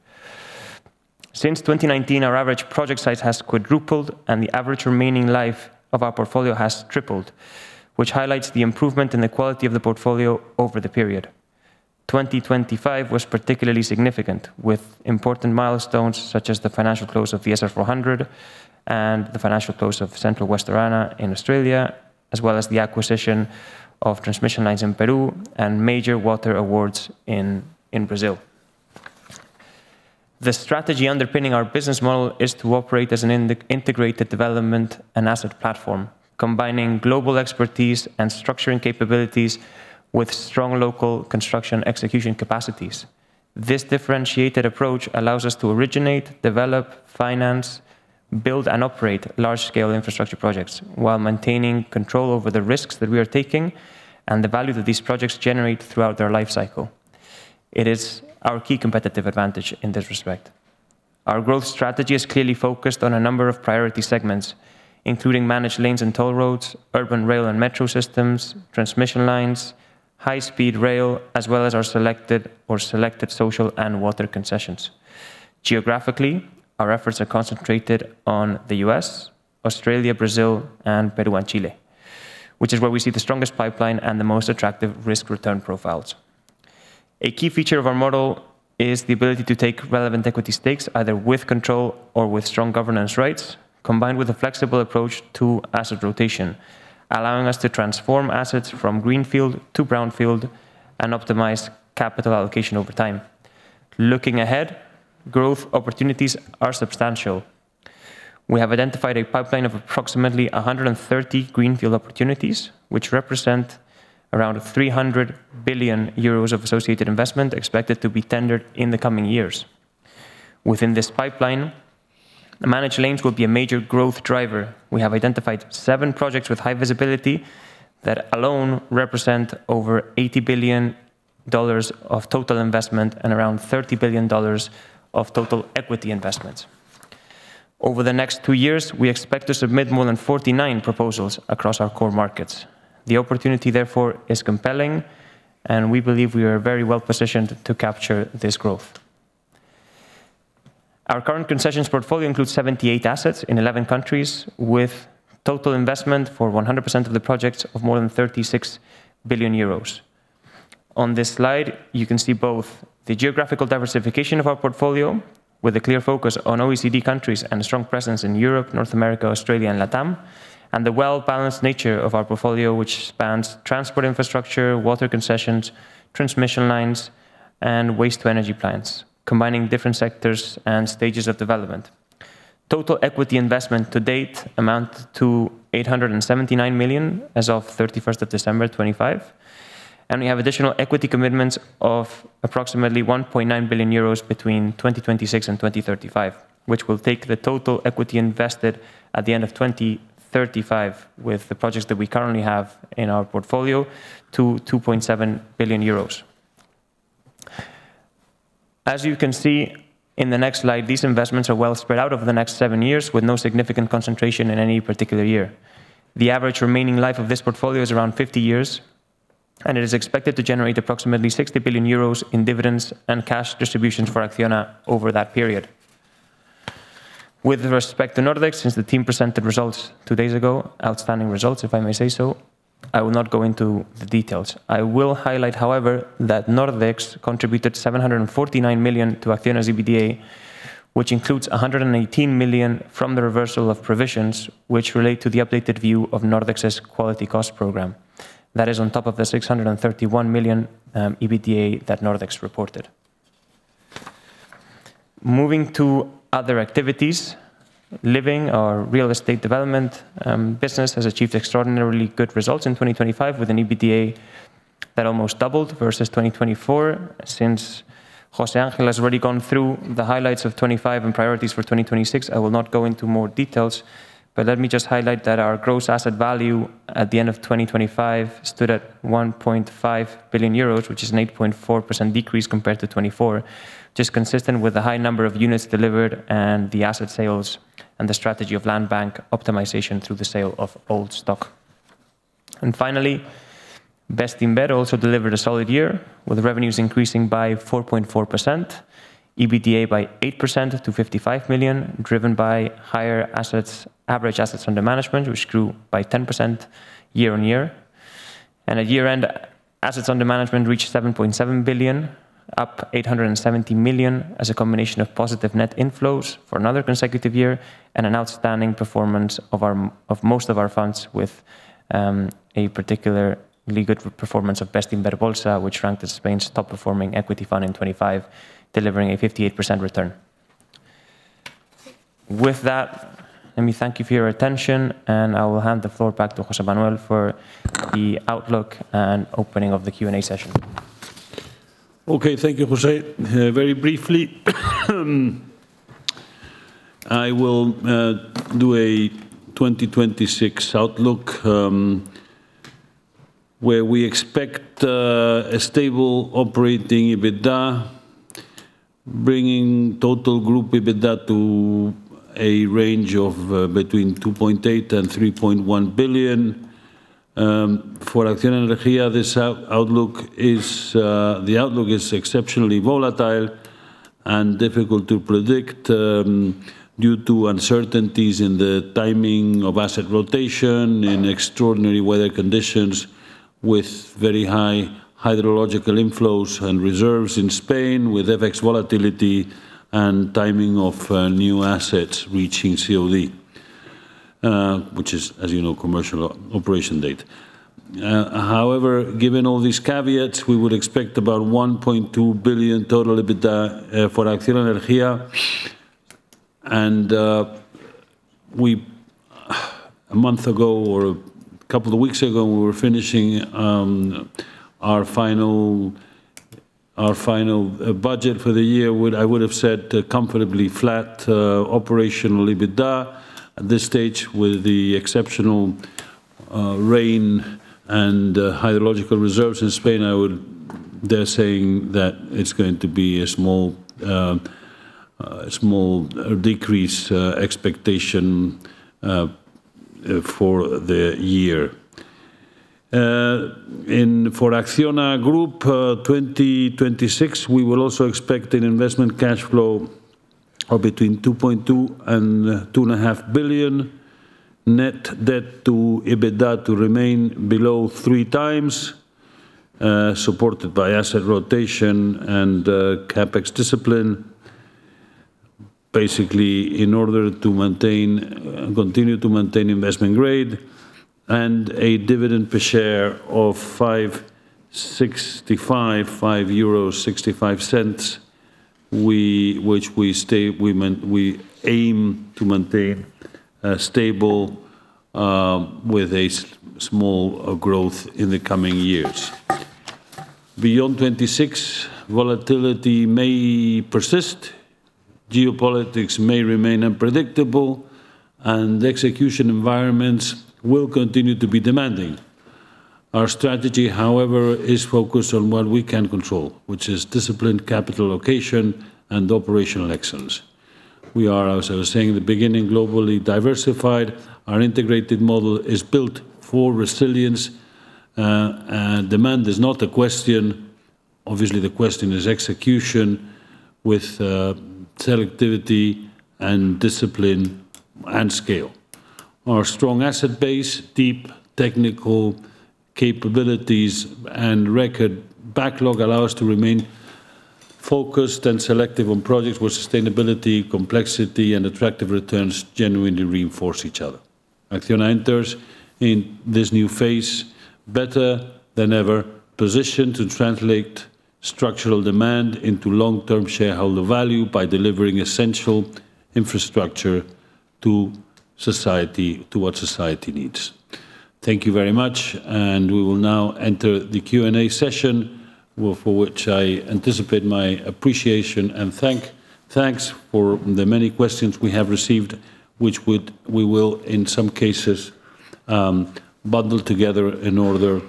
Since 2019, our average project size has quadrupled, and the average remaining life of our portfolio has tripled, which highlights the improvement in the quality of the portfolio over the period. 2025 was particularly significant, with important milestones such as the financial close of the SR400 and the financial close of Central-West Orana in Australia, as well as the acquisition of transmission lines in Peru and major water awards in Brazil. The strategy underpinning our business model is to operate as an integrated development and asset platform, combining global expertise and structuring capabilities with strong local construction execution capacities. This differentiated approach allows us to originate, develop, finance, build, and operate large-scale infrastructure projects while maintaining control over the risks that we are taking and the value that these projects generate throughout their lifecycle. It is our key competitive advantage in this respect. Our growth strategy is clearly focused on a number of priority segments, including managed lanes and toll roads, urban rail and metro systems, transmission lines, high-speed rail, as well as our selected social and water concessions. Geographically, our efforts are concentrated on the U.S., Australia, Brazil, and Peru and Chile, which is where we see the strongest pipeline and the most attractive risk-return profiles. A key feature of our model is the ability to take relevant equity stakes, either with control or with strong governance rights, combined with a flexible approach to asset rotation, allowing us to transform assets from greenfield to brownfield and optimize capital allocation over time. Looking ahead, growth opportunities are substantial. We have identified a pipeline of approximately 130 greenfield opportunities, which represent around 300 billion euros of associated investment expected to be tendered in the coming years. Within this pipeline, the managed lanes will be a major growth driver. We have identified seven projects with high visibility that alone represent over $80 billion of total investment and around $30 billion of total equity investment. Over the next two years, we expect to submit more than 49 proposals across our core markets. The opportunity, therefore, is compelling, and we believe we are very well positioned to capture this growth. Our current concessions portfolio includes 78 assets in 11 countries, with total investment for 100% of the projects of more than 36 billion euros. On this slide, you can see both the geographical diversification of our portfolio, with a clear focus on OECD countries and a strong presence in Europe, North America, Australia, and LATAM, and the well-balanced nature of our portfolio, which spans transport infrastructure, water concessions, transmission lines, and waste-to-energy plants, combining different sectors and stages of development. Total equity investment to date amount to 879 million as of 31st of December, 2025. We have additional equity commitments of approximately 1.9 billion euros between 2026 and 2035, which will take the total equity invested at the end of 2035, with the projects that we currently have in our portfolio, to 2.7 billion euros. As you can see in the next slide, these investments are well spread out over the next seven years, with no significant concentration in any particular year. The average remaining life of this portfolio is around 50 years. It is expected to generate approximately 60 billion euros in dividends and cash distributions for Acciona over that period. With respect to Nordex, since the team presented results two days ago, outstanding results, if I may say so, I will not go into the details. I will highlight, however, that Nordex contributed 749 million to Acciona's EBITDA, which includes 118 million from the reversal of provisions, which relate to the updated view of Nordex's quality cost program. That is on top of the 631 million EBITDA that Nordex reported. Moving to other activities, Living our real estate development business has achieved extraordinarily good results in 2025, with an EBITDA that almost doubled versus 2024. Since José Ángel has already gone through the highlights of 2025 and priorities for 2026, I will not go into more details. Let me just highlight that our gross asset value at the end of 2025 stood at 1.5 billion euros, which is an 8.4% decrease compared to 2024. Just consistent with the high number of units delivered and the asset sales, the strategy of land bank optimization through the sale of old stock. Finally, Bestinver also delivered a solid year, with revenues increasing by 4.4%, EBITDA by 8% to 55 million, driven by higher average assets under management, which grew by 10% year-on-year. At year-end, assets under management reached 7.7 billion, up 870 million, as a combination of positive net inflows for another consecutive year and an outstanding performance of most of our funds, with a particular really good performance of Bestinver Bolsa, which ranked as Spain's top-performing equity fund in 2025, delivering a 58% return. With that, let me thank you for your attention. I will hand the floor back to José Manuel for the outlook and opening of the Q&A session. Okay, thank you, José. Very briefly, I will do a 2026 outlook, where we expect a stable operating EBITDA, bringing total group EBITDA to a range of between 2.8 billion and 3.1 billion. For Acciona Energía, the outlook is exceptionally volatile and difficult to predict, due to uncertainties in the timing of asset rotation and extraordinary weather conditions, with very high hydrological inflows and reserves in Spain, with FX volatility and timing of new assets reaching COD, which is, as you know, commercial operation date. However, given all these caveats, we would expect about 1.2 billion total EBITDA for Acciona Energía. A month ago or a couple of weeks ago, we were finishing our final budget for the year. I would have said, comfortably flat, operational EBITDA. At this stage, with the exceptional rain and hydrological reserves in Spain, I would dare saying that it's going to be a small decrease expectation for the year. For Acciona Group, 2026, we will also expect an investment cash flow of between 2.2 billion and 2.5 billion. Net debt to EBITDA to remain below 3x, supported by asset rotation and CapEx discipline, basically, in order to maintain, continue to maintain investment grade and a dividend per share of 5.65 euros, which we aim to maintain stable, with a small growth in the coming years. Beyond 2026, volatility may persist, geopolitics may remain unpredictable, and the execution environments will continue to be demanding. Our strategy, however, is focused on what we can control, which is disciplined capital allocation and operational excellence. We are, as I was saying in the beginning, globally diversified. Our integrated model is built for resilience, and demand is not a question. Obviously, the question is execution with selectivity and discipline and scale. Our strong asset base, deep technical capabilities, and record backlog allow us to remain focused and selective on projects where sustainability, complexity, and attractive returns genuinely reinforce each other. Acciona enters in this new phase better than ever, positioned to translate structural demand into long-term shareholder value by delivering essential infrastructure to society, to what society needs. Thank you very much. We will now enter the Q&A session, for which I anticipate my appreciation and thanks for the many questions we have received, which we will, in some cases, bundle together in order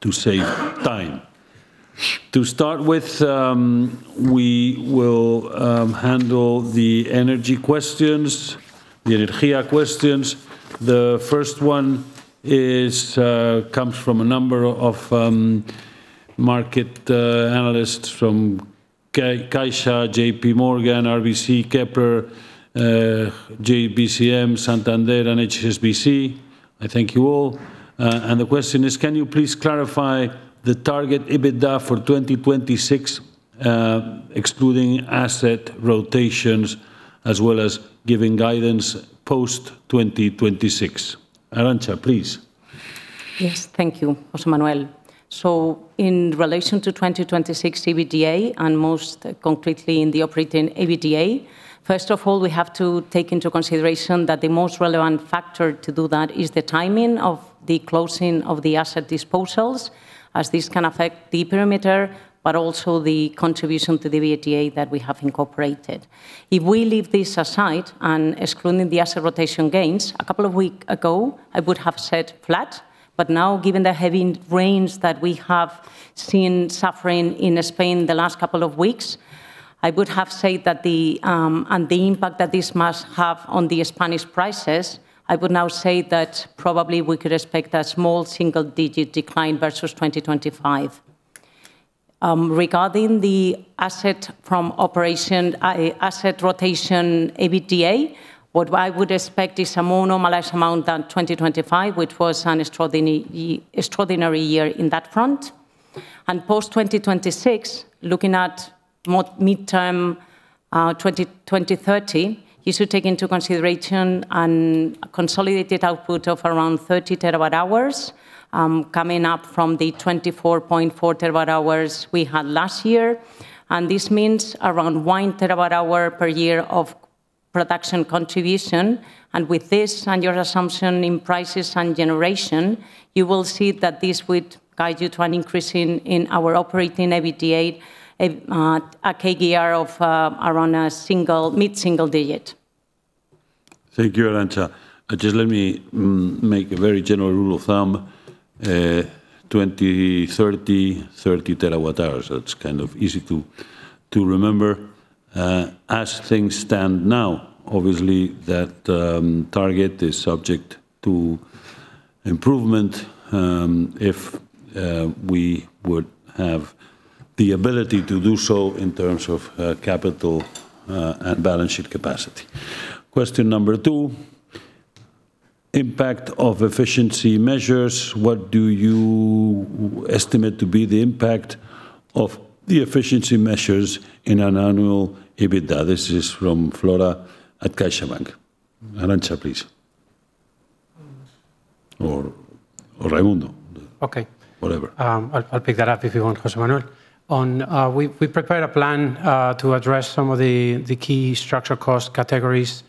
to save time. To start with, we will handle the energy questions, the energia questions. The first one comes from a number of market analysts from Caixa, JPMorgan, RBC, Kepler, JBCM, Santander, and HSBC. I thank you all. The question is, can you please clarify the target EBITDA for 2026, excluding asset rotations, as well as giving guidance post-2026? Arantza, please. Yes, thank you, José Manuel. In relation to 2026 EBITDA, and most concretely in the operating EBITDA, first of all, we have to take into consideration that the most relevant factor to do that is the timing of the closing of the asset disposals, as this can affect the perimeter, but also the contribution to the EBITDA that we have incorporated. If we leave this aside and excluding the asset rotation gains, a couple of week ago, I would have said flat, but now, given the heavy rains that we have seen suffering in Spain in the last couple of weeks, I would have said that the and the impact that this must have on the Spanish prices, I would now say that probably we could expect a small single-digit decline versus 2025. Regarding the asset from operation, asset rotation EBITDA, what I would expect is a more normalized amount than 2025, which was an extraordinary year in that front. Post-2026, looking at midterm, 2030, you should take into consideration an consolidated output of around 30 TWh, coming up from the 24.4 TWh we had last year. This means around 1 TWh per year of production contribution, and with this and your assumption in prices and generation, you will see that this would guide you to an increase in our operating EBITDA, a CAGR of around a single, mid-single digit. Thank you, Arantza. Just let me make a very general rule of thumb. 2030, 30 TWh, that's kind of easy to remember. As things stand now, obviously, that target is subject to improvement if we would have the ability to do so in terms of capital and balance sheet capacity. Question number two: impact of efficiency measures. What do you estimate to be the impact of the efficiency measures in an annual EBITDA? This is from Flora at CaixaBank. Arantza, please. Or Raimundo. Okay. Whatever. I'll pick that up if you want, José Manuel. We prepared a plan to address some of the key structural cost categories,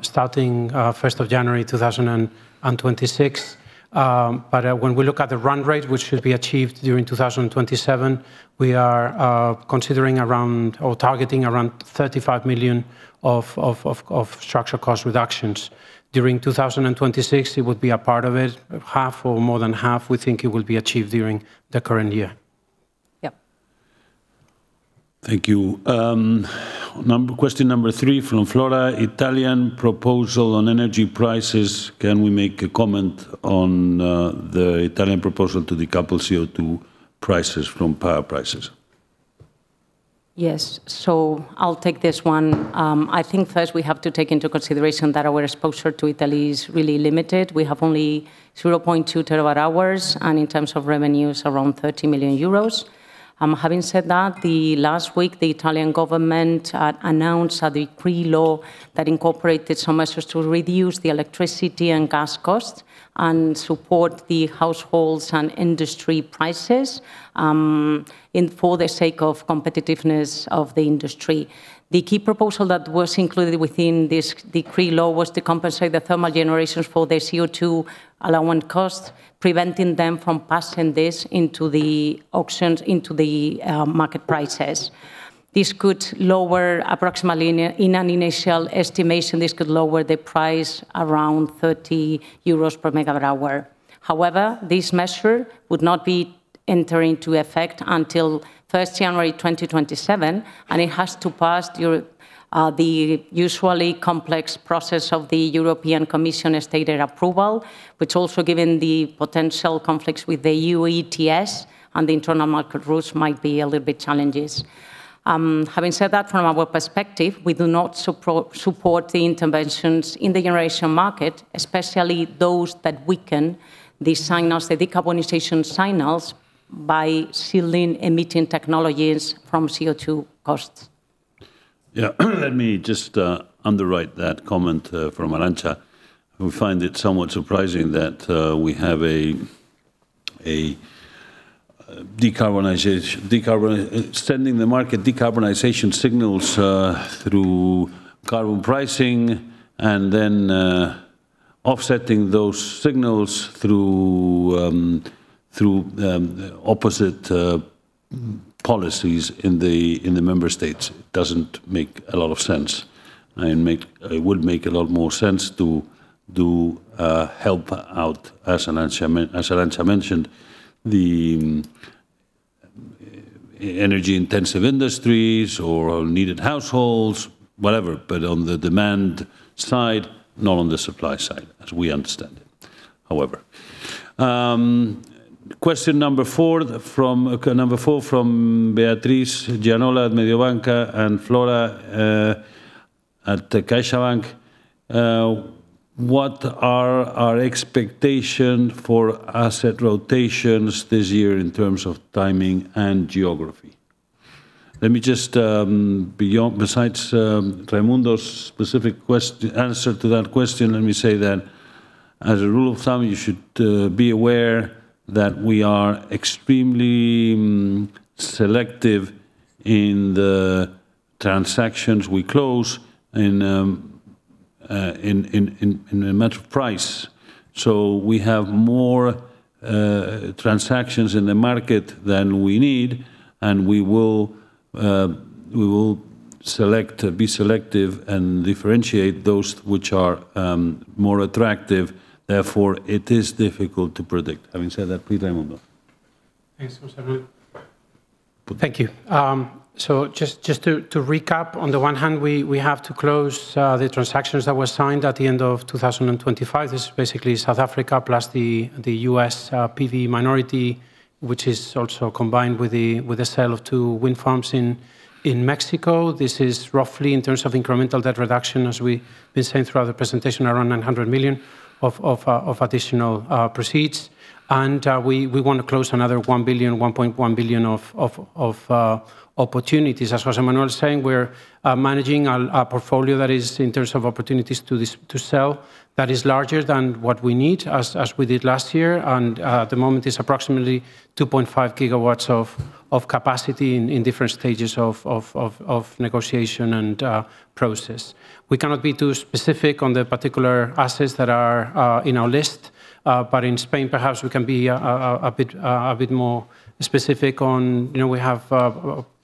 starting first of January, 2026. When we look at the run rate, which should be achieved during 2027, we are considering around or targeting around 35 million of structural cost reductions. During 2026, it would be a part of it, half or more than half, we think it will be achieved during the current year. Yeah. Thank you. Question number three from Flora: Italian proposal on energy prices. Can we make a comment on the Italian proposal to decouple CO2 prices from power prices? Yes, I'll take this one. I think first we have to take into consideration that our exposure to Italy is really limited. We have only 0.2 TWh, and in terms of revenues, around 30 million euros. Having said that, last week, the Italian government announced a decree law that incorporated some measures to reduce the electricity and gas costs and support the households and industry prices in for the sake of competitiveness of the industry. The key proposal that was included within this decree law was to compensate the thermal generations for their CO2 allowance costs, preventing them from passing this into the auctions, into the market prices. This could lower approximately in an initial estimation, this could lower the price around 30 euros/MWh. This measure would not be entering into effect until January 1, 2027, and it has to pass Euro- the usually complex process of the European Commission stated approval, which also, given the potential conflicts with the EU ETS and the internal market rules, might be a little bit challenges. Having said that, from our perspective, we do not support the interventions in the generation market, especially those that weaken the signals, the decarbonization signals, by sealing emitting technologies from CO2 costs. Let me just underwrite that comment from Arancha, who find it somewhat surprising that we have a decarbonization sending the market decarbonization signals through carbon pricing and then offsetting those signals through opposite policies in the member states. It doesn't make a lot of sense, it would make a lot more sense to help out, as Arantza mentioned, the energy-intensive industries or needed households, whatever, but on the demand side, not on the supply side, as we understand it, however. Question number four from Beatrice Gianola at Mediobanca, and Flora at the CaixaBank. What are our expectation for asset rotations this year in terms of timing and geography? Let me just, besides, Raimundo's specific answer to that question, let me say that, as a rule of thumb, you should be aware that we are extremely selective in the transactions we close and in matter of price. We have more transactions in the market than we need, and we will select, be selective and differentiate those which are more attractive. It is difficult to predict. Having said that, please, Raimundo. Thanks, José Manuel. Thank you. Just to recap, on the one hand, we have to close the transactions that were signed at the end of 2025. This is basically South Africa plus the U.S. PV minority, which is also combined with the sale of 2 wind farms in Mexico. This is roughly in terms of incremental debt reduction, as we've been saying throughout the presentation, around 900 million of additional proceeds. We want to close another 1 billion, 1.1 billion of opportunities. As José Manuel was saying, we're managing a portfolio that is, in terms of opportunities to sell, that is larger than what we need, as we did last year. At the moment, is approximately 2.5 GW of capacity in different stages of negotiation and process. We cannot be too specific on the particular assets that are in our list, but in Spain, perhaps we can be a bit more specific on... You know, we have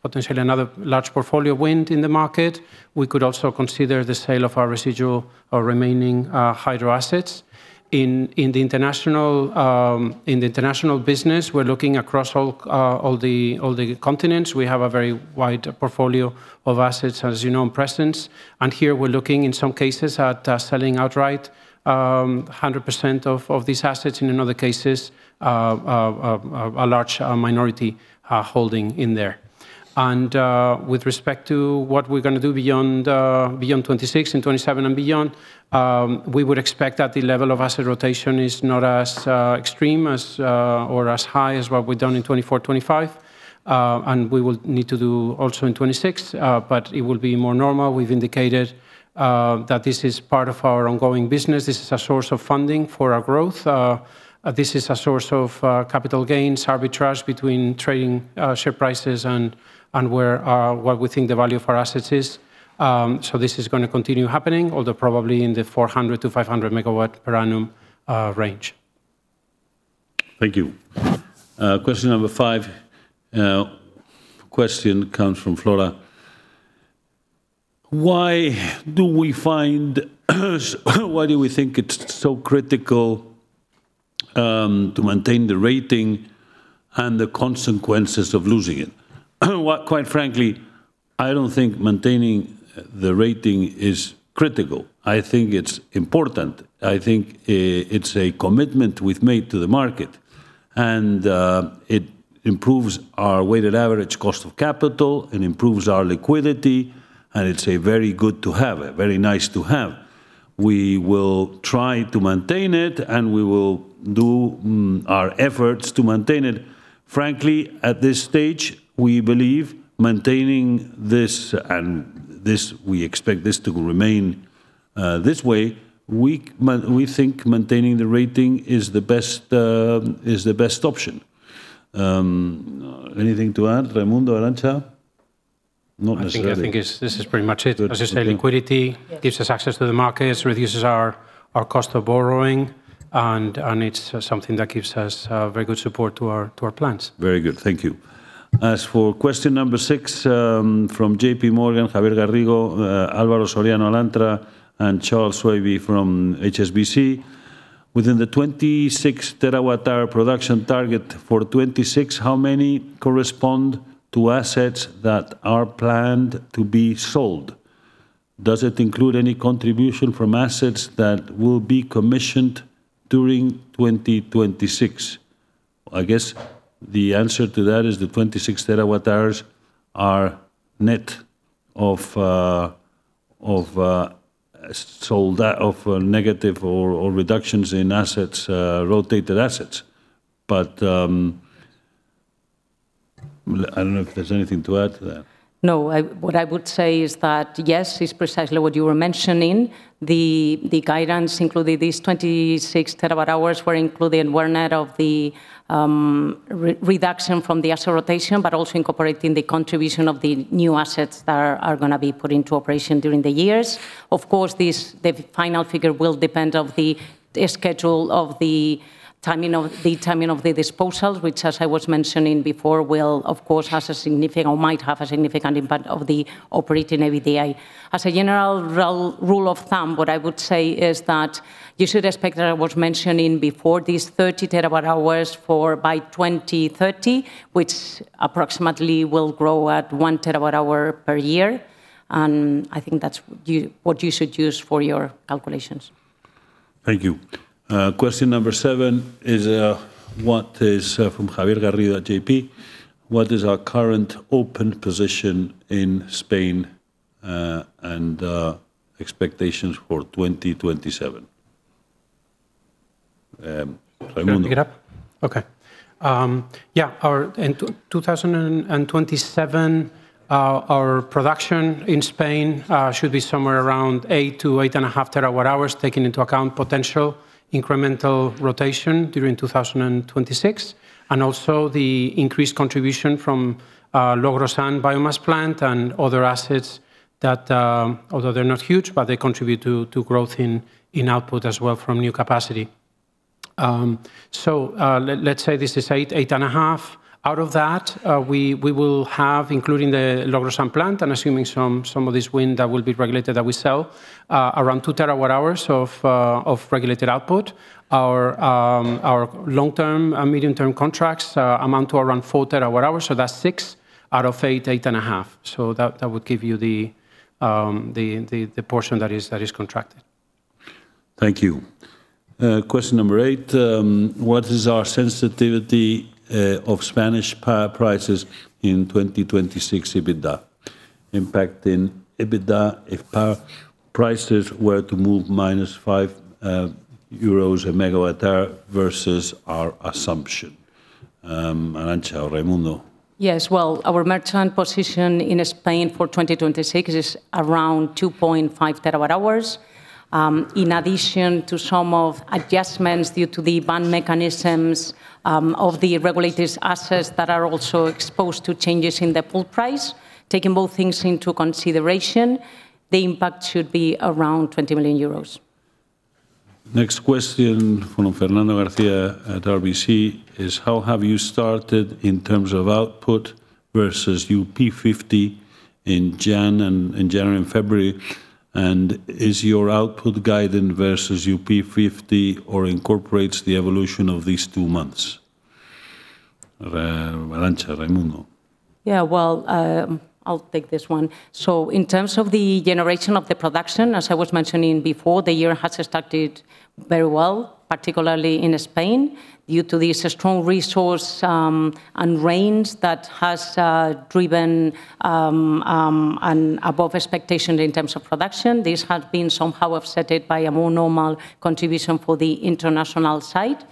potentially another large portfolio of wind in the market. We could also consider the sale of our residual or remaining hydro assets. In the international business, we're looking across all the continents. We have a very wide portfolio of assets, as you know, and presence, and here we're looking, in some cases, at selling outright 100% of these assets, and in other cases, a large minority holding in there. With respect to what we're gonna do beyond 2026 and 2027 and beyond, we would expect that the level of asset rotation is not as extreme as or as high as what we've done in 2024, 2025, and we will need to do also in 2026, but it will be more normal. We've indicated that this is part of our ongoing business. This is a source of funding for our growth. This is a source of capital gains, arbitrage between trading share prices and where what we think the value of our assets is. This is gonna continue happening, although probably in the 400-500 MW per annum range. Thank you. Question number five, question comes from Flora: Why do we think it's so critical to maintain the rating and the consequences of losing it? Well, quite frankly, I don't think maintaining the rating is critical. I think it's important. I think it's a commitment we've made to the market, and it improves our weighted average cost of capital and improves our liquidity, and it's a very good to have it, very nice to have. We will try to maintain it, and we will do our efforts to maintain it. Frankly, at this stage, we believe maintaining this, and we expect this to remain this way. We think maintaining the rating is the best option. Anything to add, Raimundo, Arantza? Not necessarily. This is pretty much it. Good. As I said. Yes... gives us access to the markets, reduces our cost of borrowing, and it's something that gives us very good support to our plans. Very good. Thank you. As for question number six, from JPMorgan, Javier Garrido, Álvaro Soriano Alantra, and Charles Swabey from HSBC: Within the 26 terawatt-hour production target for 2026, how many correspond to assets that are planned to be sold? Does it include any contribution from assets that will be commissioned during 2026? I guess the answer to that is the 26 TWh are net of sold of negative or reductions in assets, rotated assets. I don't know if there's anything to add to that. What I would say is that, yes, it's precisely what you were mentioning. The guidance, including these 26 TWh were net of the reduction from the asset rotation, but also incorporating the contribution of the new assets that are gonna be put into operation during the years. The final figure will depend on the schedule of the timing of the disposals, which, as I was mentioning before, will, of course, has a significant or might have a significant impact of the operating EBITDA. As a general rule of thumb, what I would say is that you should expect, as I was mentioning before, these 30 TWh for by 2030, which approximately will grow at 1 TWh per year. I think that's you, what you should use for your calculations. Thank you. question number seven is, what is, from Javier Garrido at JP: What is our current open position in Spain, and, expectations for 2027? Raimundo. Pick it up? Okay. Yeah, our, in 2020 and 2027, our production in Spain should be somewhere around 8 TWh to 8.5 TWh, taking into account potential incremental rotation during 2026, and also the increased contribution from Logrosán biomass plant and other assets that, although they're not huge, but they contribute to growth in output as well from new capacity. Let's say this is 8.5 TWh. Out of that, we will have, including the Logrosán plant and assuming some of this wind that will be regulated that we sell, around 2 TWh of regulated output. Our long-term and medium-term contracts amount to around 4 TWh, that's 6 TWh out of 8.5 TWh. That would give you the portion that is contracted. Thank you. Question number eight: What is our sensitivity of Spanish power prices in 2026 EBITDA, impacting EBITDA if power prices were to move -5 euros a megawatt-hour versus our assumption? Arantza or Raimundo. Yes, well, our merchant position in Spain for 2026 is around 2.5 TWh. In addition to some of adjustments due to the band mechanisms of the regulators assets that are also exposed to changes in the pool price, taking both things into consideration, the impact should be around 20 million euros. Next question from Fernando Garcia at RBC is: How have you started in terms of output versus UP50 in January and February? Is your output guidance versus UP50 or incorporates the evolution of these two months? Arantza or Raimundo. Yeah, well, I'll take this one. In terms of the generation of the production, as I was mentioning before, the year has started very well, particularly in Spain, due to the strong resource and rains that has driven and above expectation in terms of production. This has been somehow offset by a more normal contribution for the international side.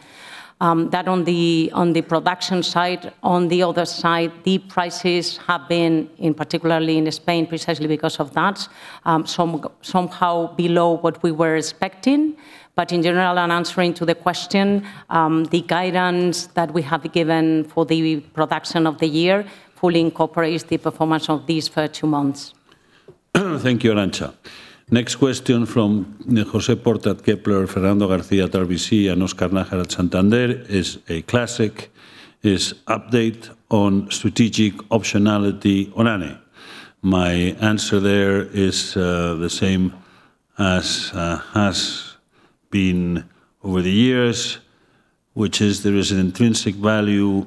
That on the production side, on the other side, the prices have been, in particularly in Spain, precisely because of that, somehow below what we were expecting. In general, and answering to the question, the guidance that we have given for the production of the year fully incorporates the performance of these first two months. Thank you, Arantza. Next question from José Porta at Kepler, Fernando Garcia at RBC, and Oscar Nájar at Santander, is a classic: Update on strategic optionality on RE. My answer there is the same as has been over the years, which is there is an intrinsic value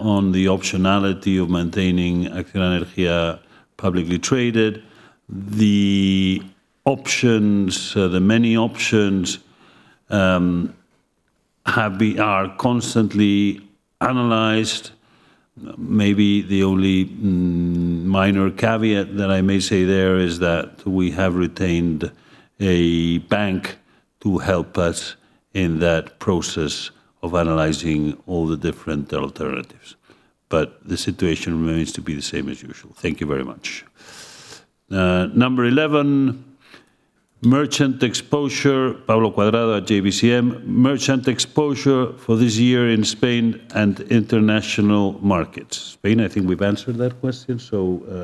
on the optionality of maintaining Acciona Energía publicly traded. The options, the many options, are constantly analyzed. Maybe the only minor caveat that I may say there is that we have retained a bank to help us in that process of analyzing all the different alternatives. The situation remains to be the same as usual. Thank you very much. Number 11, merchant exposure, Pablo Cuadrado at JBCM: Merchant exposure for this year in Spain and international markets. Spain, I think we've answered that question.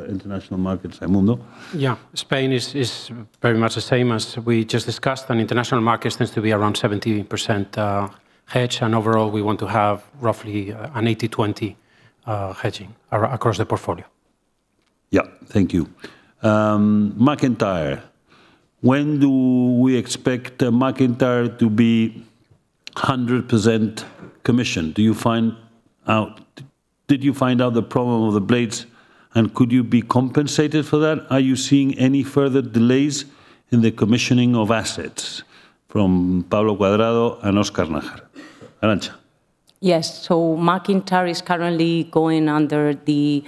International markets, Raimundo? Yeah. Spain is very much the same as we just discussed. International markets tends to be around 70% hedged. Overall, we want to have roughly an 80-20 hedging across the portfolio. Yeah. Thank you. MacIntyre. When do we expect MacIntyre to be 100% commissioned? Did you find out the problem of the blades, and could you be compensated for that? Are you seeing any further delays in the commissioning of assets? From Pablo Cuadrado and Oscar Najar. Arantza. Yes. McIntyre is currently going under the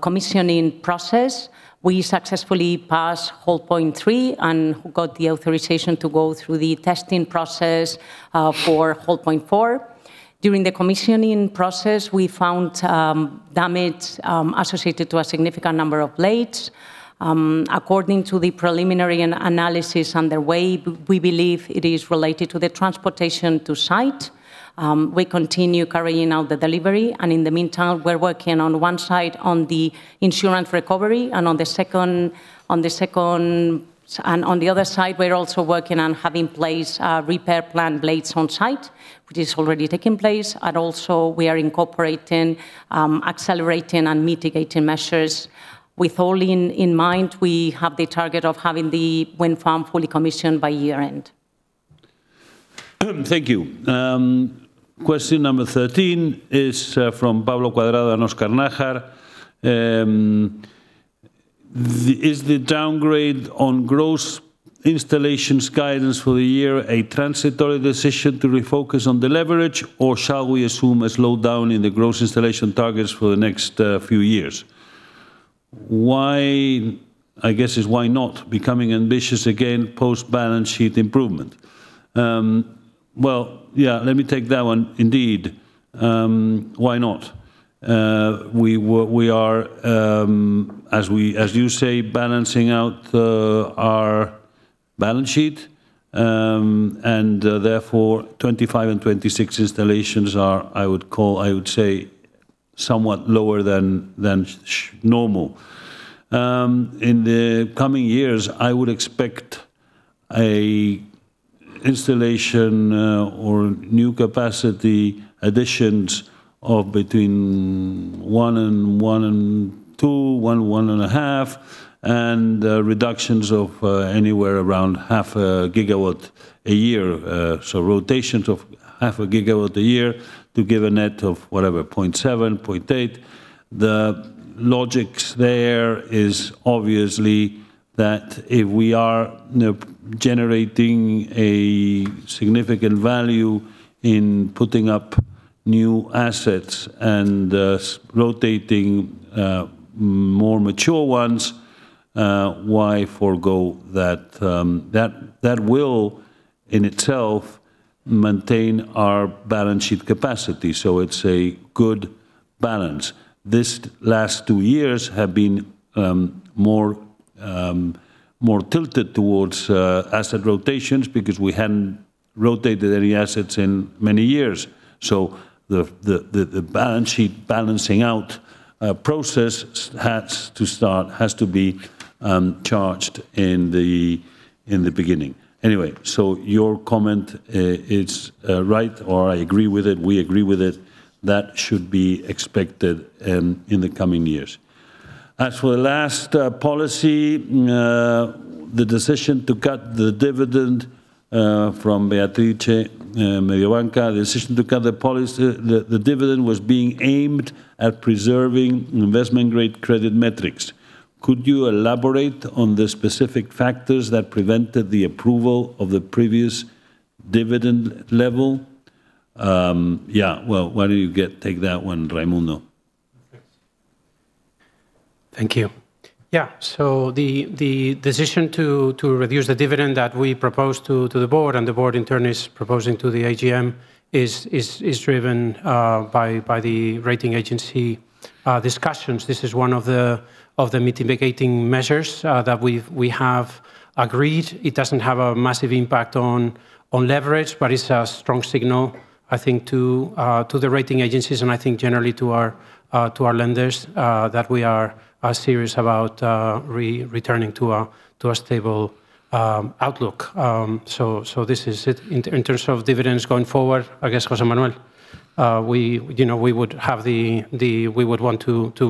commissioning process. We successfully passed hold point three and got the authorization to go through the testing process for hold point four. During the commissioning process, we found damage associated to a significant number of blades. According to the preliminary analysis underway, we believe it is related to the transportation to site. We continue carrying out the delivery, in the meantime, we're working on one side on the insurance recovery, and on the other side, we're also working on having in place repair planned blades on site, which is already taking place, and also we are incorporating accelerating and mitigating measures. With all in mind, we have the target of having the wind farm fully commissioned by year-end. Thank you. Question number 13 is from Pablo Cuadrado and Oscar Najar. Is the downgrade on gross installations guidance for the year a transitory decision to refocus on the leverage, or shall we assume a slowdown in the gross installation targets for the next few years? Why, I guess, is why not becoming ambitious again, post-balance sheet improvement? Well, yeah, let me take that one. Indeed, why not? We are, as we, as you say, balancing out our balance sheet. Therefore, 2025 and 2026 installations are, I would call, I would say, somewhat lower than normal. In the coming years, I would expect a installation or new capacity additions of between 1 GW and 2 GW, 1 GW, 1.5 GW and reductions of anywhere around 0.5 GW a year. So rotations of 0.5 GW a year to give a net of whatever, 0.7 GW, 0.8 GW. The logics there is obviously that if we are, you know, generating a significant value in putting up new assets and rotating more mature ones, why forego that? That will, in itself, maintain our balance sheet capacity, so it's a good balance. This last two years have been more tilted towards asset rotations because we hadn't rotated any assets in many years. The balance sheet balancing out process has to start, has to be charged in the beginning. Your comment is right, or I agree with it. We agree with it. That should be expected in the coming years. As for the last policy, the decision to cut the dividend from Beatrice Mediobanca, the decision to cut the dividend was being aimed at preserving investment-grade credit metrics. Could you elaborate on the specific factors that prevented the approval of the previous dividend level? Yeah, well, why don't you take that one, Raimundo? Okay. Thank you. The decision to reduce the dividend that we proposed to the board, and the board, in turn, is proposing to the AGM is driven by the rating agency discussions. This is one of the mitigating measures that we have agreed. It doesn't have a massive impact on leverage, but it's a strong signal, I think, to the rating agencies and I think generally to our lenders that we are serious about returning to a stable outlook. This is it. In terms of dividends going forward, I guess, José Manuel, we, you know, we would have the... We would want to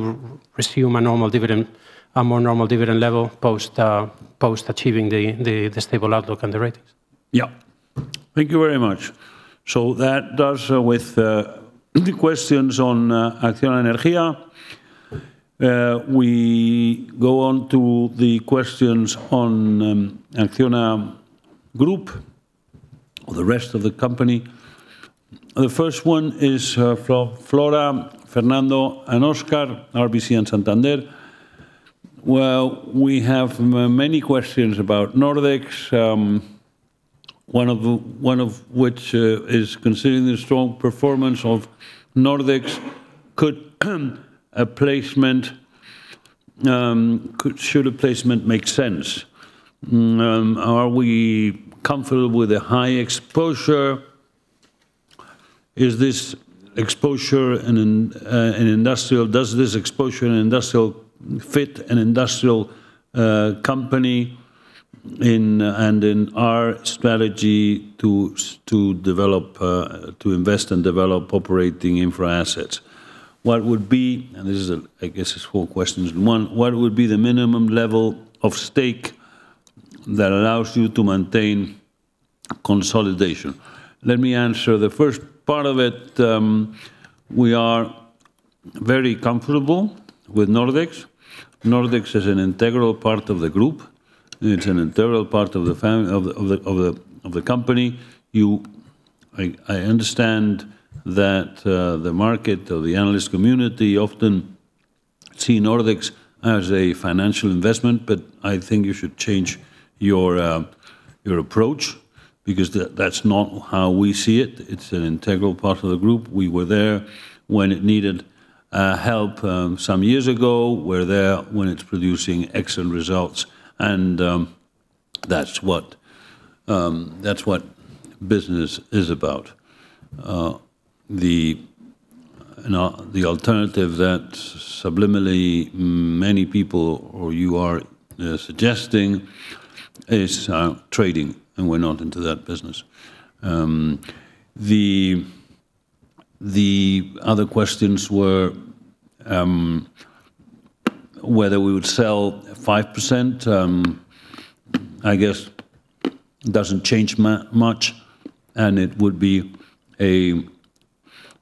resume a normal dividend, a more normal dividend level post achieving the stable outlook and the ratings. Yeah. Thank you very much. That does with the questions on Acciona Energía. We go on to the questions on Acciona Group or the rest of the company. The first one is Flora, Fernando, and Oscar, RBC, and Santander. Well, we have many questions about Nordex. One of which is: considering the strong performance of Nordex, should a placement make sense? Are we comfortable with the high exposure? Does this exposure an industrial fit company in and in our strategy to develop, to invest and develop operating infra assets? What would be... This is, I guess it's four questions in one: What would be the minimum level of stake that allows you to maintain consolidation? Let me answer the first part of it. We are very comfortable with Nordex. Nordex is an integral part of the group. It's an integral part of the company. I understand that the market or the analyst community often see Nordex as a financial investment, but I think you should change your approach because that's not how we see it. It's an integral part of the group. We were there when it needed help some years ago. We're there when it's producing excellent results, and that's what business is about. The alternative that subliminally many people or you are suggesting is trading, and we're not into that business. The other questions were whether we would sell 5%, I guess doesn't change much, and it would be a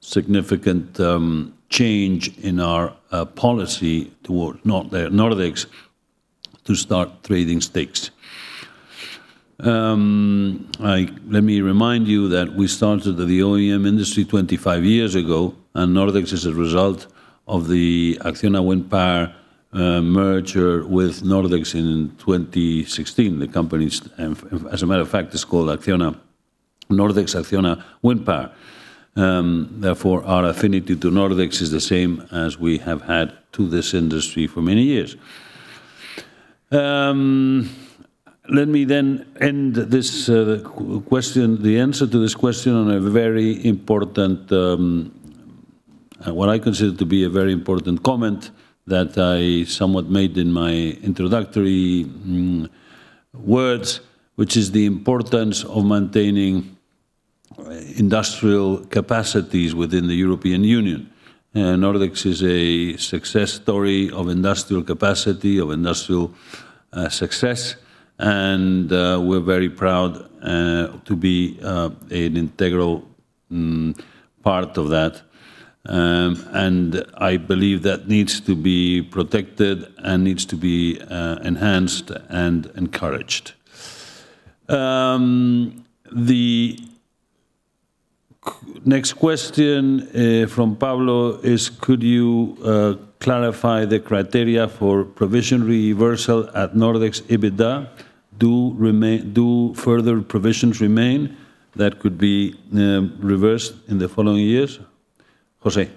significant change in our policy toward Nordex to start trading stakes. Let me remind you that we started the OEM industry 25 years ago, and Nordex is a result of the Acciona Windpower merger with Nordex in 2016. The companies, as a matter of fact, is called Acciona Nordex, Acciona Windpower. Therefore, our affinity to Nordex is the same as we have had to this industry for many years. Let me end this question, the answer to this question on a very important, what I consider to be a very important comment that I somewhat made in my introductory words, which is the importance of maintaining industrial capacities within the European Union. Nordex is a success story of industrial capacity, of industrial success, and we're very proud to be an integral part of that. I believe that needs to be protected and needs to be enhanced and encouraged. The next question from Pablo, is: Could you clarify the criteria for provision reversal at Nordex EBITDA? Do further provisions remain that could be reversed in the following years? José?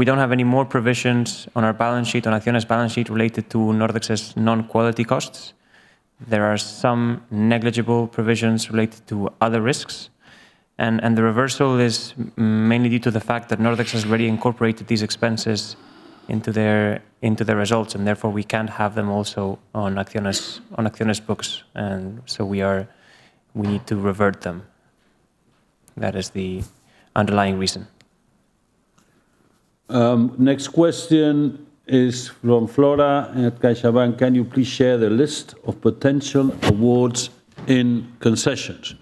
We don't have any more provisions on our balance sheet, on Acciona's balance sheet, related to Nordex's non-quality costs. There are some negligible provisions related to other risks. The reversal is mainly due to the fact that Nordex has already incorporated these expenses into their results, and therefore, we can't have them also on Acciona's, on Acciona's books, and we need to revert them. That is the underlying reason. Next question is from Flora at CaixaBank: Can you please share the list of potential awards in concessions?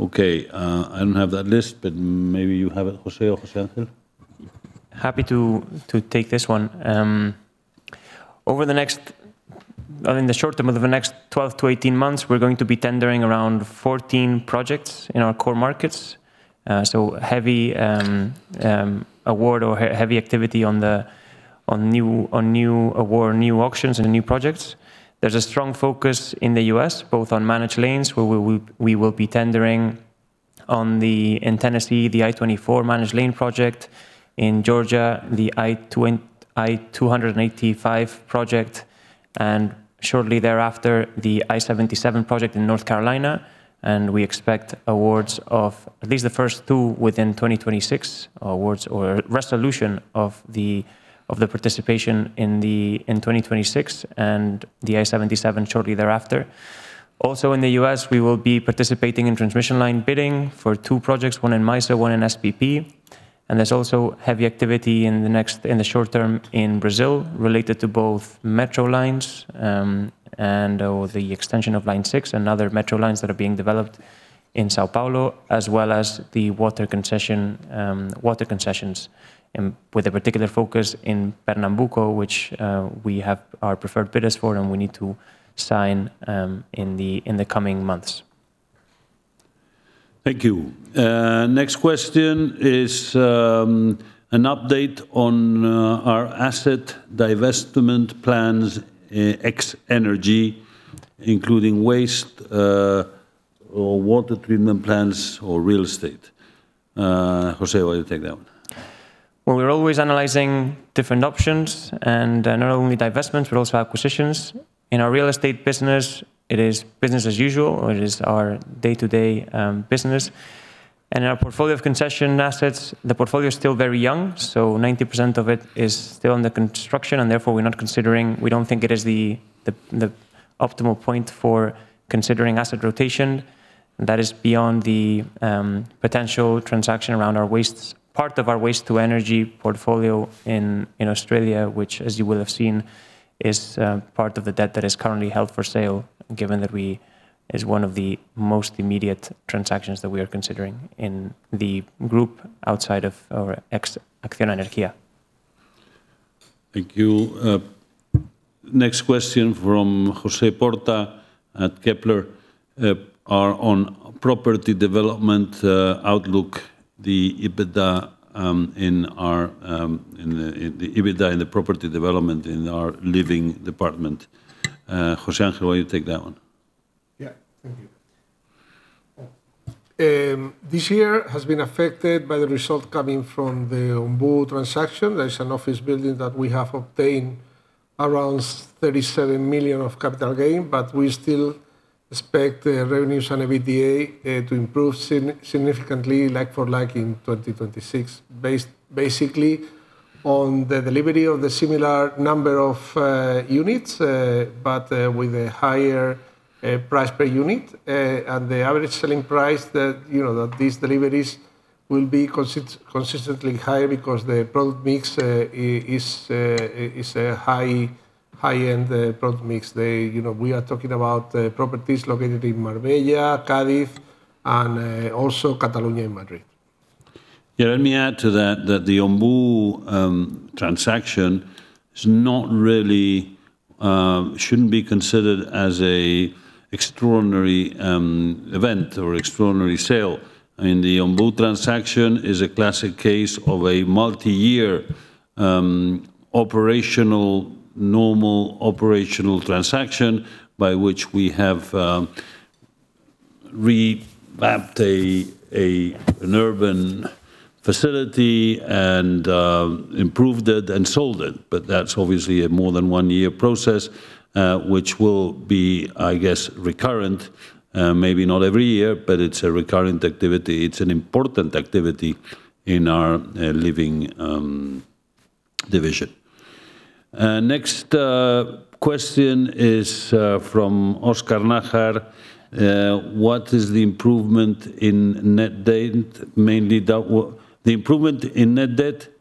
Okay. I don't have that list, but maybe you have it, José or José Ángel. Happy to take this one. In the short term, over the next 12 to 18 months, we're going to be tendering around 14 projects in our core markets. Heavy award or heavy activity on new award, new auctions and new projects. There's a strong focus in the U.S., both on managed lanes, where we will be tendering in Tennessee, the I-24 managed lane project, in Georgia, the I-285 project, and shortly thereafter, the I-77 project in North Carolina. We expect awards of at least the first two within 2026 awards or resolution of the participation in 2026 and the I-77 shortly thereafter. Also, in the U.S., we will be participating in transmission line bidding for two projects, one in MISO, one in SPP. There's also heavy activity in the short term in Brazil, related to both metro lines, and/or the extension of Line 6 and other metro lines that are being developed in São Paulo, as well as the water concessions, with a particular focus in Pernambuco, which, we have our preferred bidders for, and we need to sign, in the coming months. Thank you. next question is an update on our asset divestment plans, ex energy, including waste, or water treatment plants or real estate. José, why don't you take that one? We're always analyzing different options, not only divestments, but also acquisitions. In our real estate business, it is business as usual, or it is our day-to-day business. In our portfolio of concession assets, the portfolio is still very young, so 90% of it is still under construction. We don't think it is the optimal point for considering asset rotation. That is beyond the potential transaction around our wastes. Part of our waste-to-energy portfolio in Australia, which, as you will have seen, is part of the debt that is currently held for sale. Is one of the most immediate transactions that we are considering in the group outside of our Acciona Energía. Thank you. Next question from José Porta at Kepler, are on property development, outlook, the EBITDA, in our, in the EBITDA, in the property development, in our living department. José Ángel, why don't you take that one? Yeah. Thank you. This year has been affected by the result coming from the Ombú transaction. That is an office building that we have obtained around 37 million of capital gain, but we still expect the revenues and EBITDA to improve significantly, like for like, in 2026, based basically on the delivery of the similar number of units, but with a higher price per unit. The average selling price that, you know, that these deliveries will be consistently higher because the product mix is a high-end product mix. They, you know, we are talking about properties located in Marbella, Cádiz, and also Catalonia and Madrid. Let me add to that the Ombú transaction is not really shouldn't be considered as an extraordinary event or extraordinary sale. I mean, the Ombú transaction is a classic case of a multi-year operational, normal operational transaction by which we have revamped an urban facility and improved it and sold it. That's obviously a more than one-year process, which will be, I guess, recurrent, maybe not every year, but it's a recurrent activity. It's an important activity in our living division. Next question is from Oscar Najar: "What is the improvement in net debt,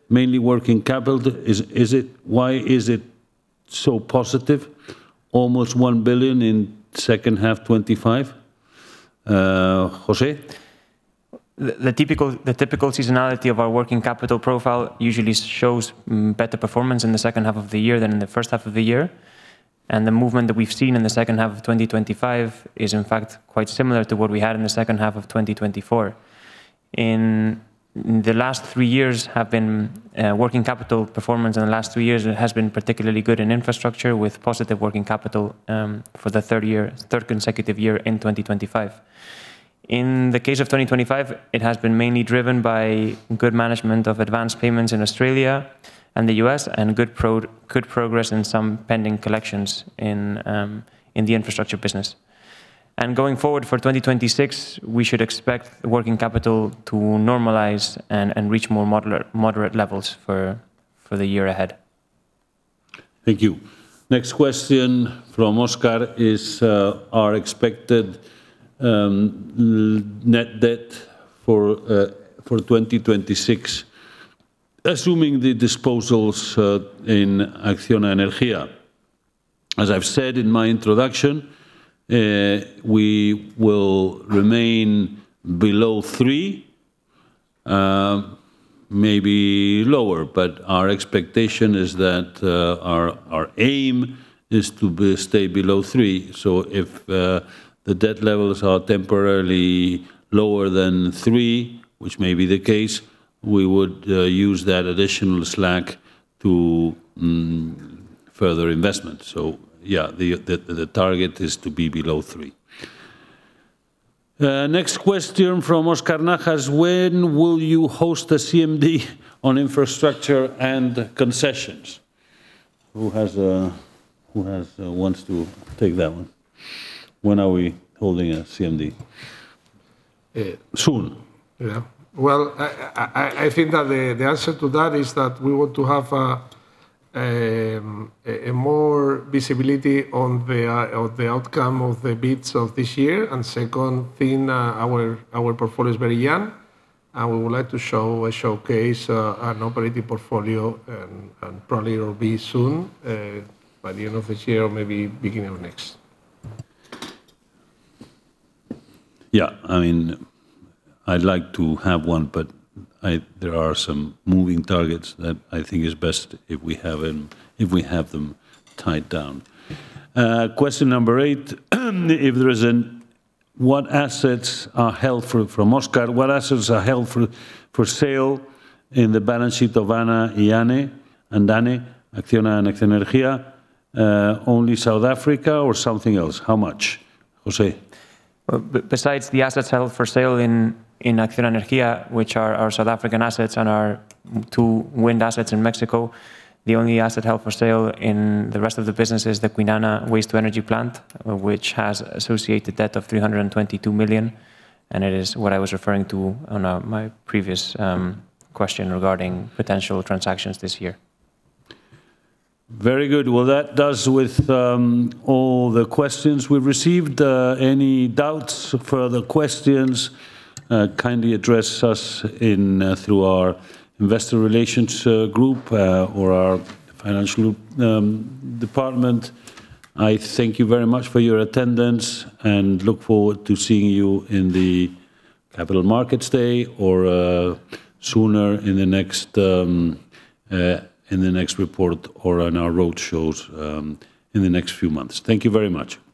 mainly working capital, is it why is it so positive, almost 1 billion in second half 2025?" José? The typical seasonality of our working capital profile usually shows better performance in the second half of the year than in the first half of the year. The movement that we've seen in the second half of 2025 is, in fact, quite similar to what we had in the second half of 2024. The last three years have been working capital performance, it has been particularly good in infrastructure, with positive working capital for the third year, third consecutive year in 2025. In the case of 2025, it has been mainly driven by good management of advanced payments in Australia and the U.S., and good progress in some pending collections in the infrastructure business. Going forward for 2026, we should expect the working capital to normalize and reach more moderate levels for the year ahead. Thank you. Next question from Oscar is, "Our expected net debt for 2026, assuming the disposals in Acciona Energía. As I've said in my introduction, we will remain below three, maybe lower. Our expectation is that our aim is to stay below three. If the debt levels are temporarily lower than three, which may be the case, we would use that additional slack to further investment. Yeah, the target is to be below three. Next question from Oscar Najar is: "When will you host a CMD on infrastructure and concessions?" Who wants to take that one? When are we holding a CMD? Soon. Yeah. Well, I think that the answer to that is that we want to have a more visibility on the outcome of the bids of this year. Second thing, our portfolio is very young, and we would like to show and showcase an operating portfolio. Probably it'll be soon by the end of this year or maybe beginning of next. Yeah. I mean, I'd like to have one, but there are some moving targets that I think it's best if we have them tied down. Question eight, "What assets are held," from Oscar, "What assets are held for sale in the balance sheet of ANA and ANE, Acciona and Acciona Energía? Only South Africa or something else? How much?" José. Besides the assets held for sale in Acciona Energía, which are our South African assets and our two wind assets in Mexico, the only asset held for sale in the rest of the business is the Kwinana waste-to-energy plant, which has associated debt of 322 million, and it is what I was referring to on my previous question regarding potential transactions this year. Very good. Well, that does with all the questions we've received. Any doubts, further questions, kindly address us in through our investor relations group or our financial department. I thank you very much for your attendance and look forward to seeing you in the Capital Markets Day or sooner in the next in the next report or on our roadshows in the next few months. Thank you very much. Goodbye.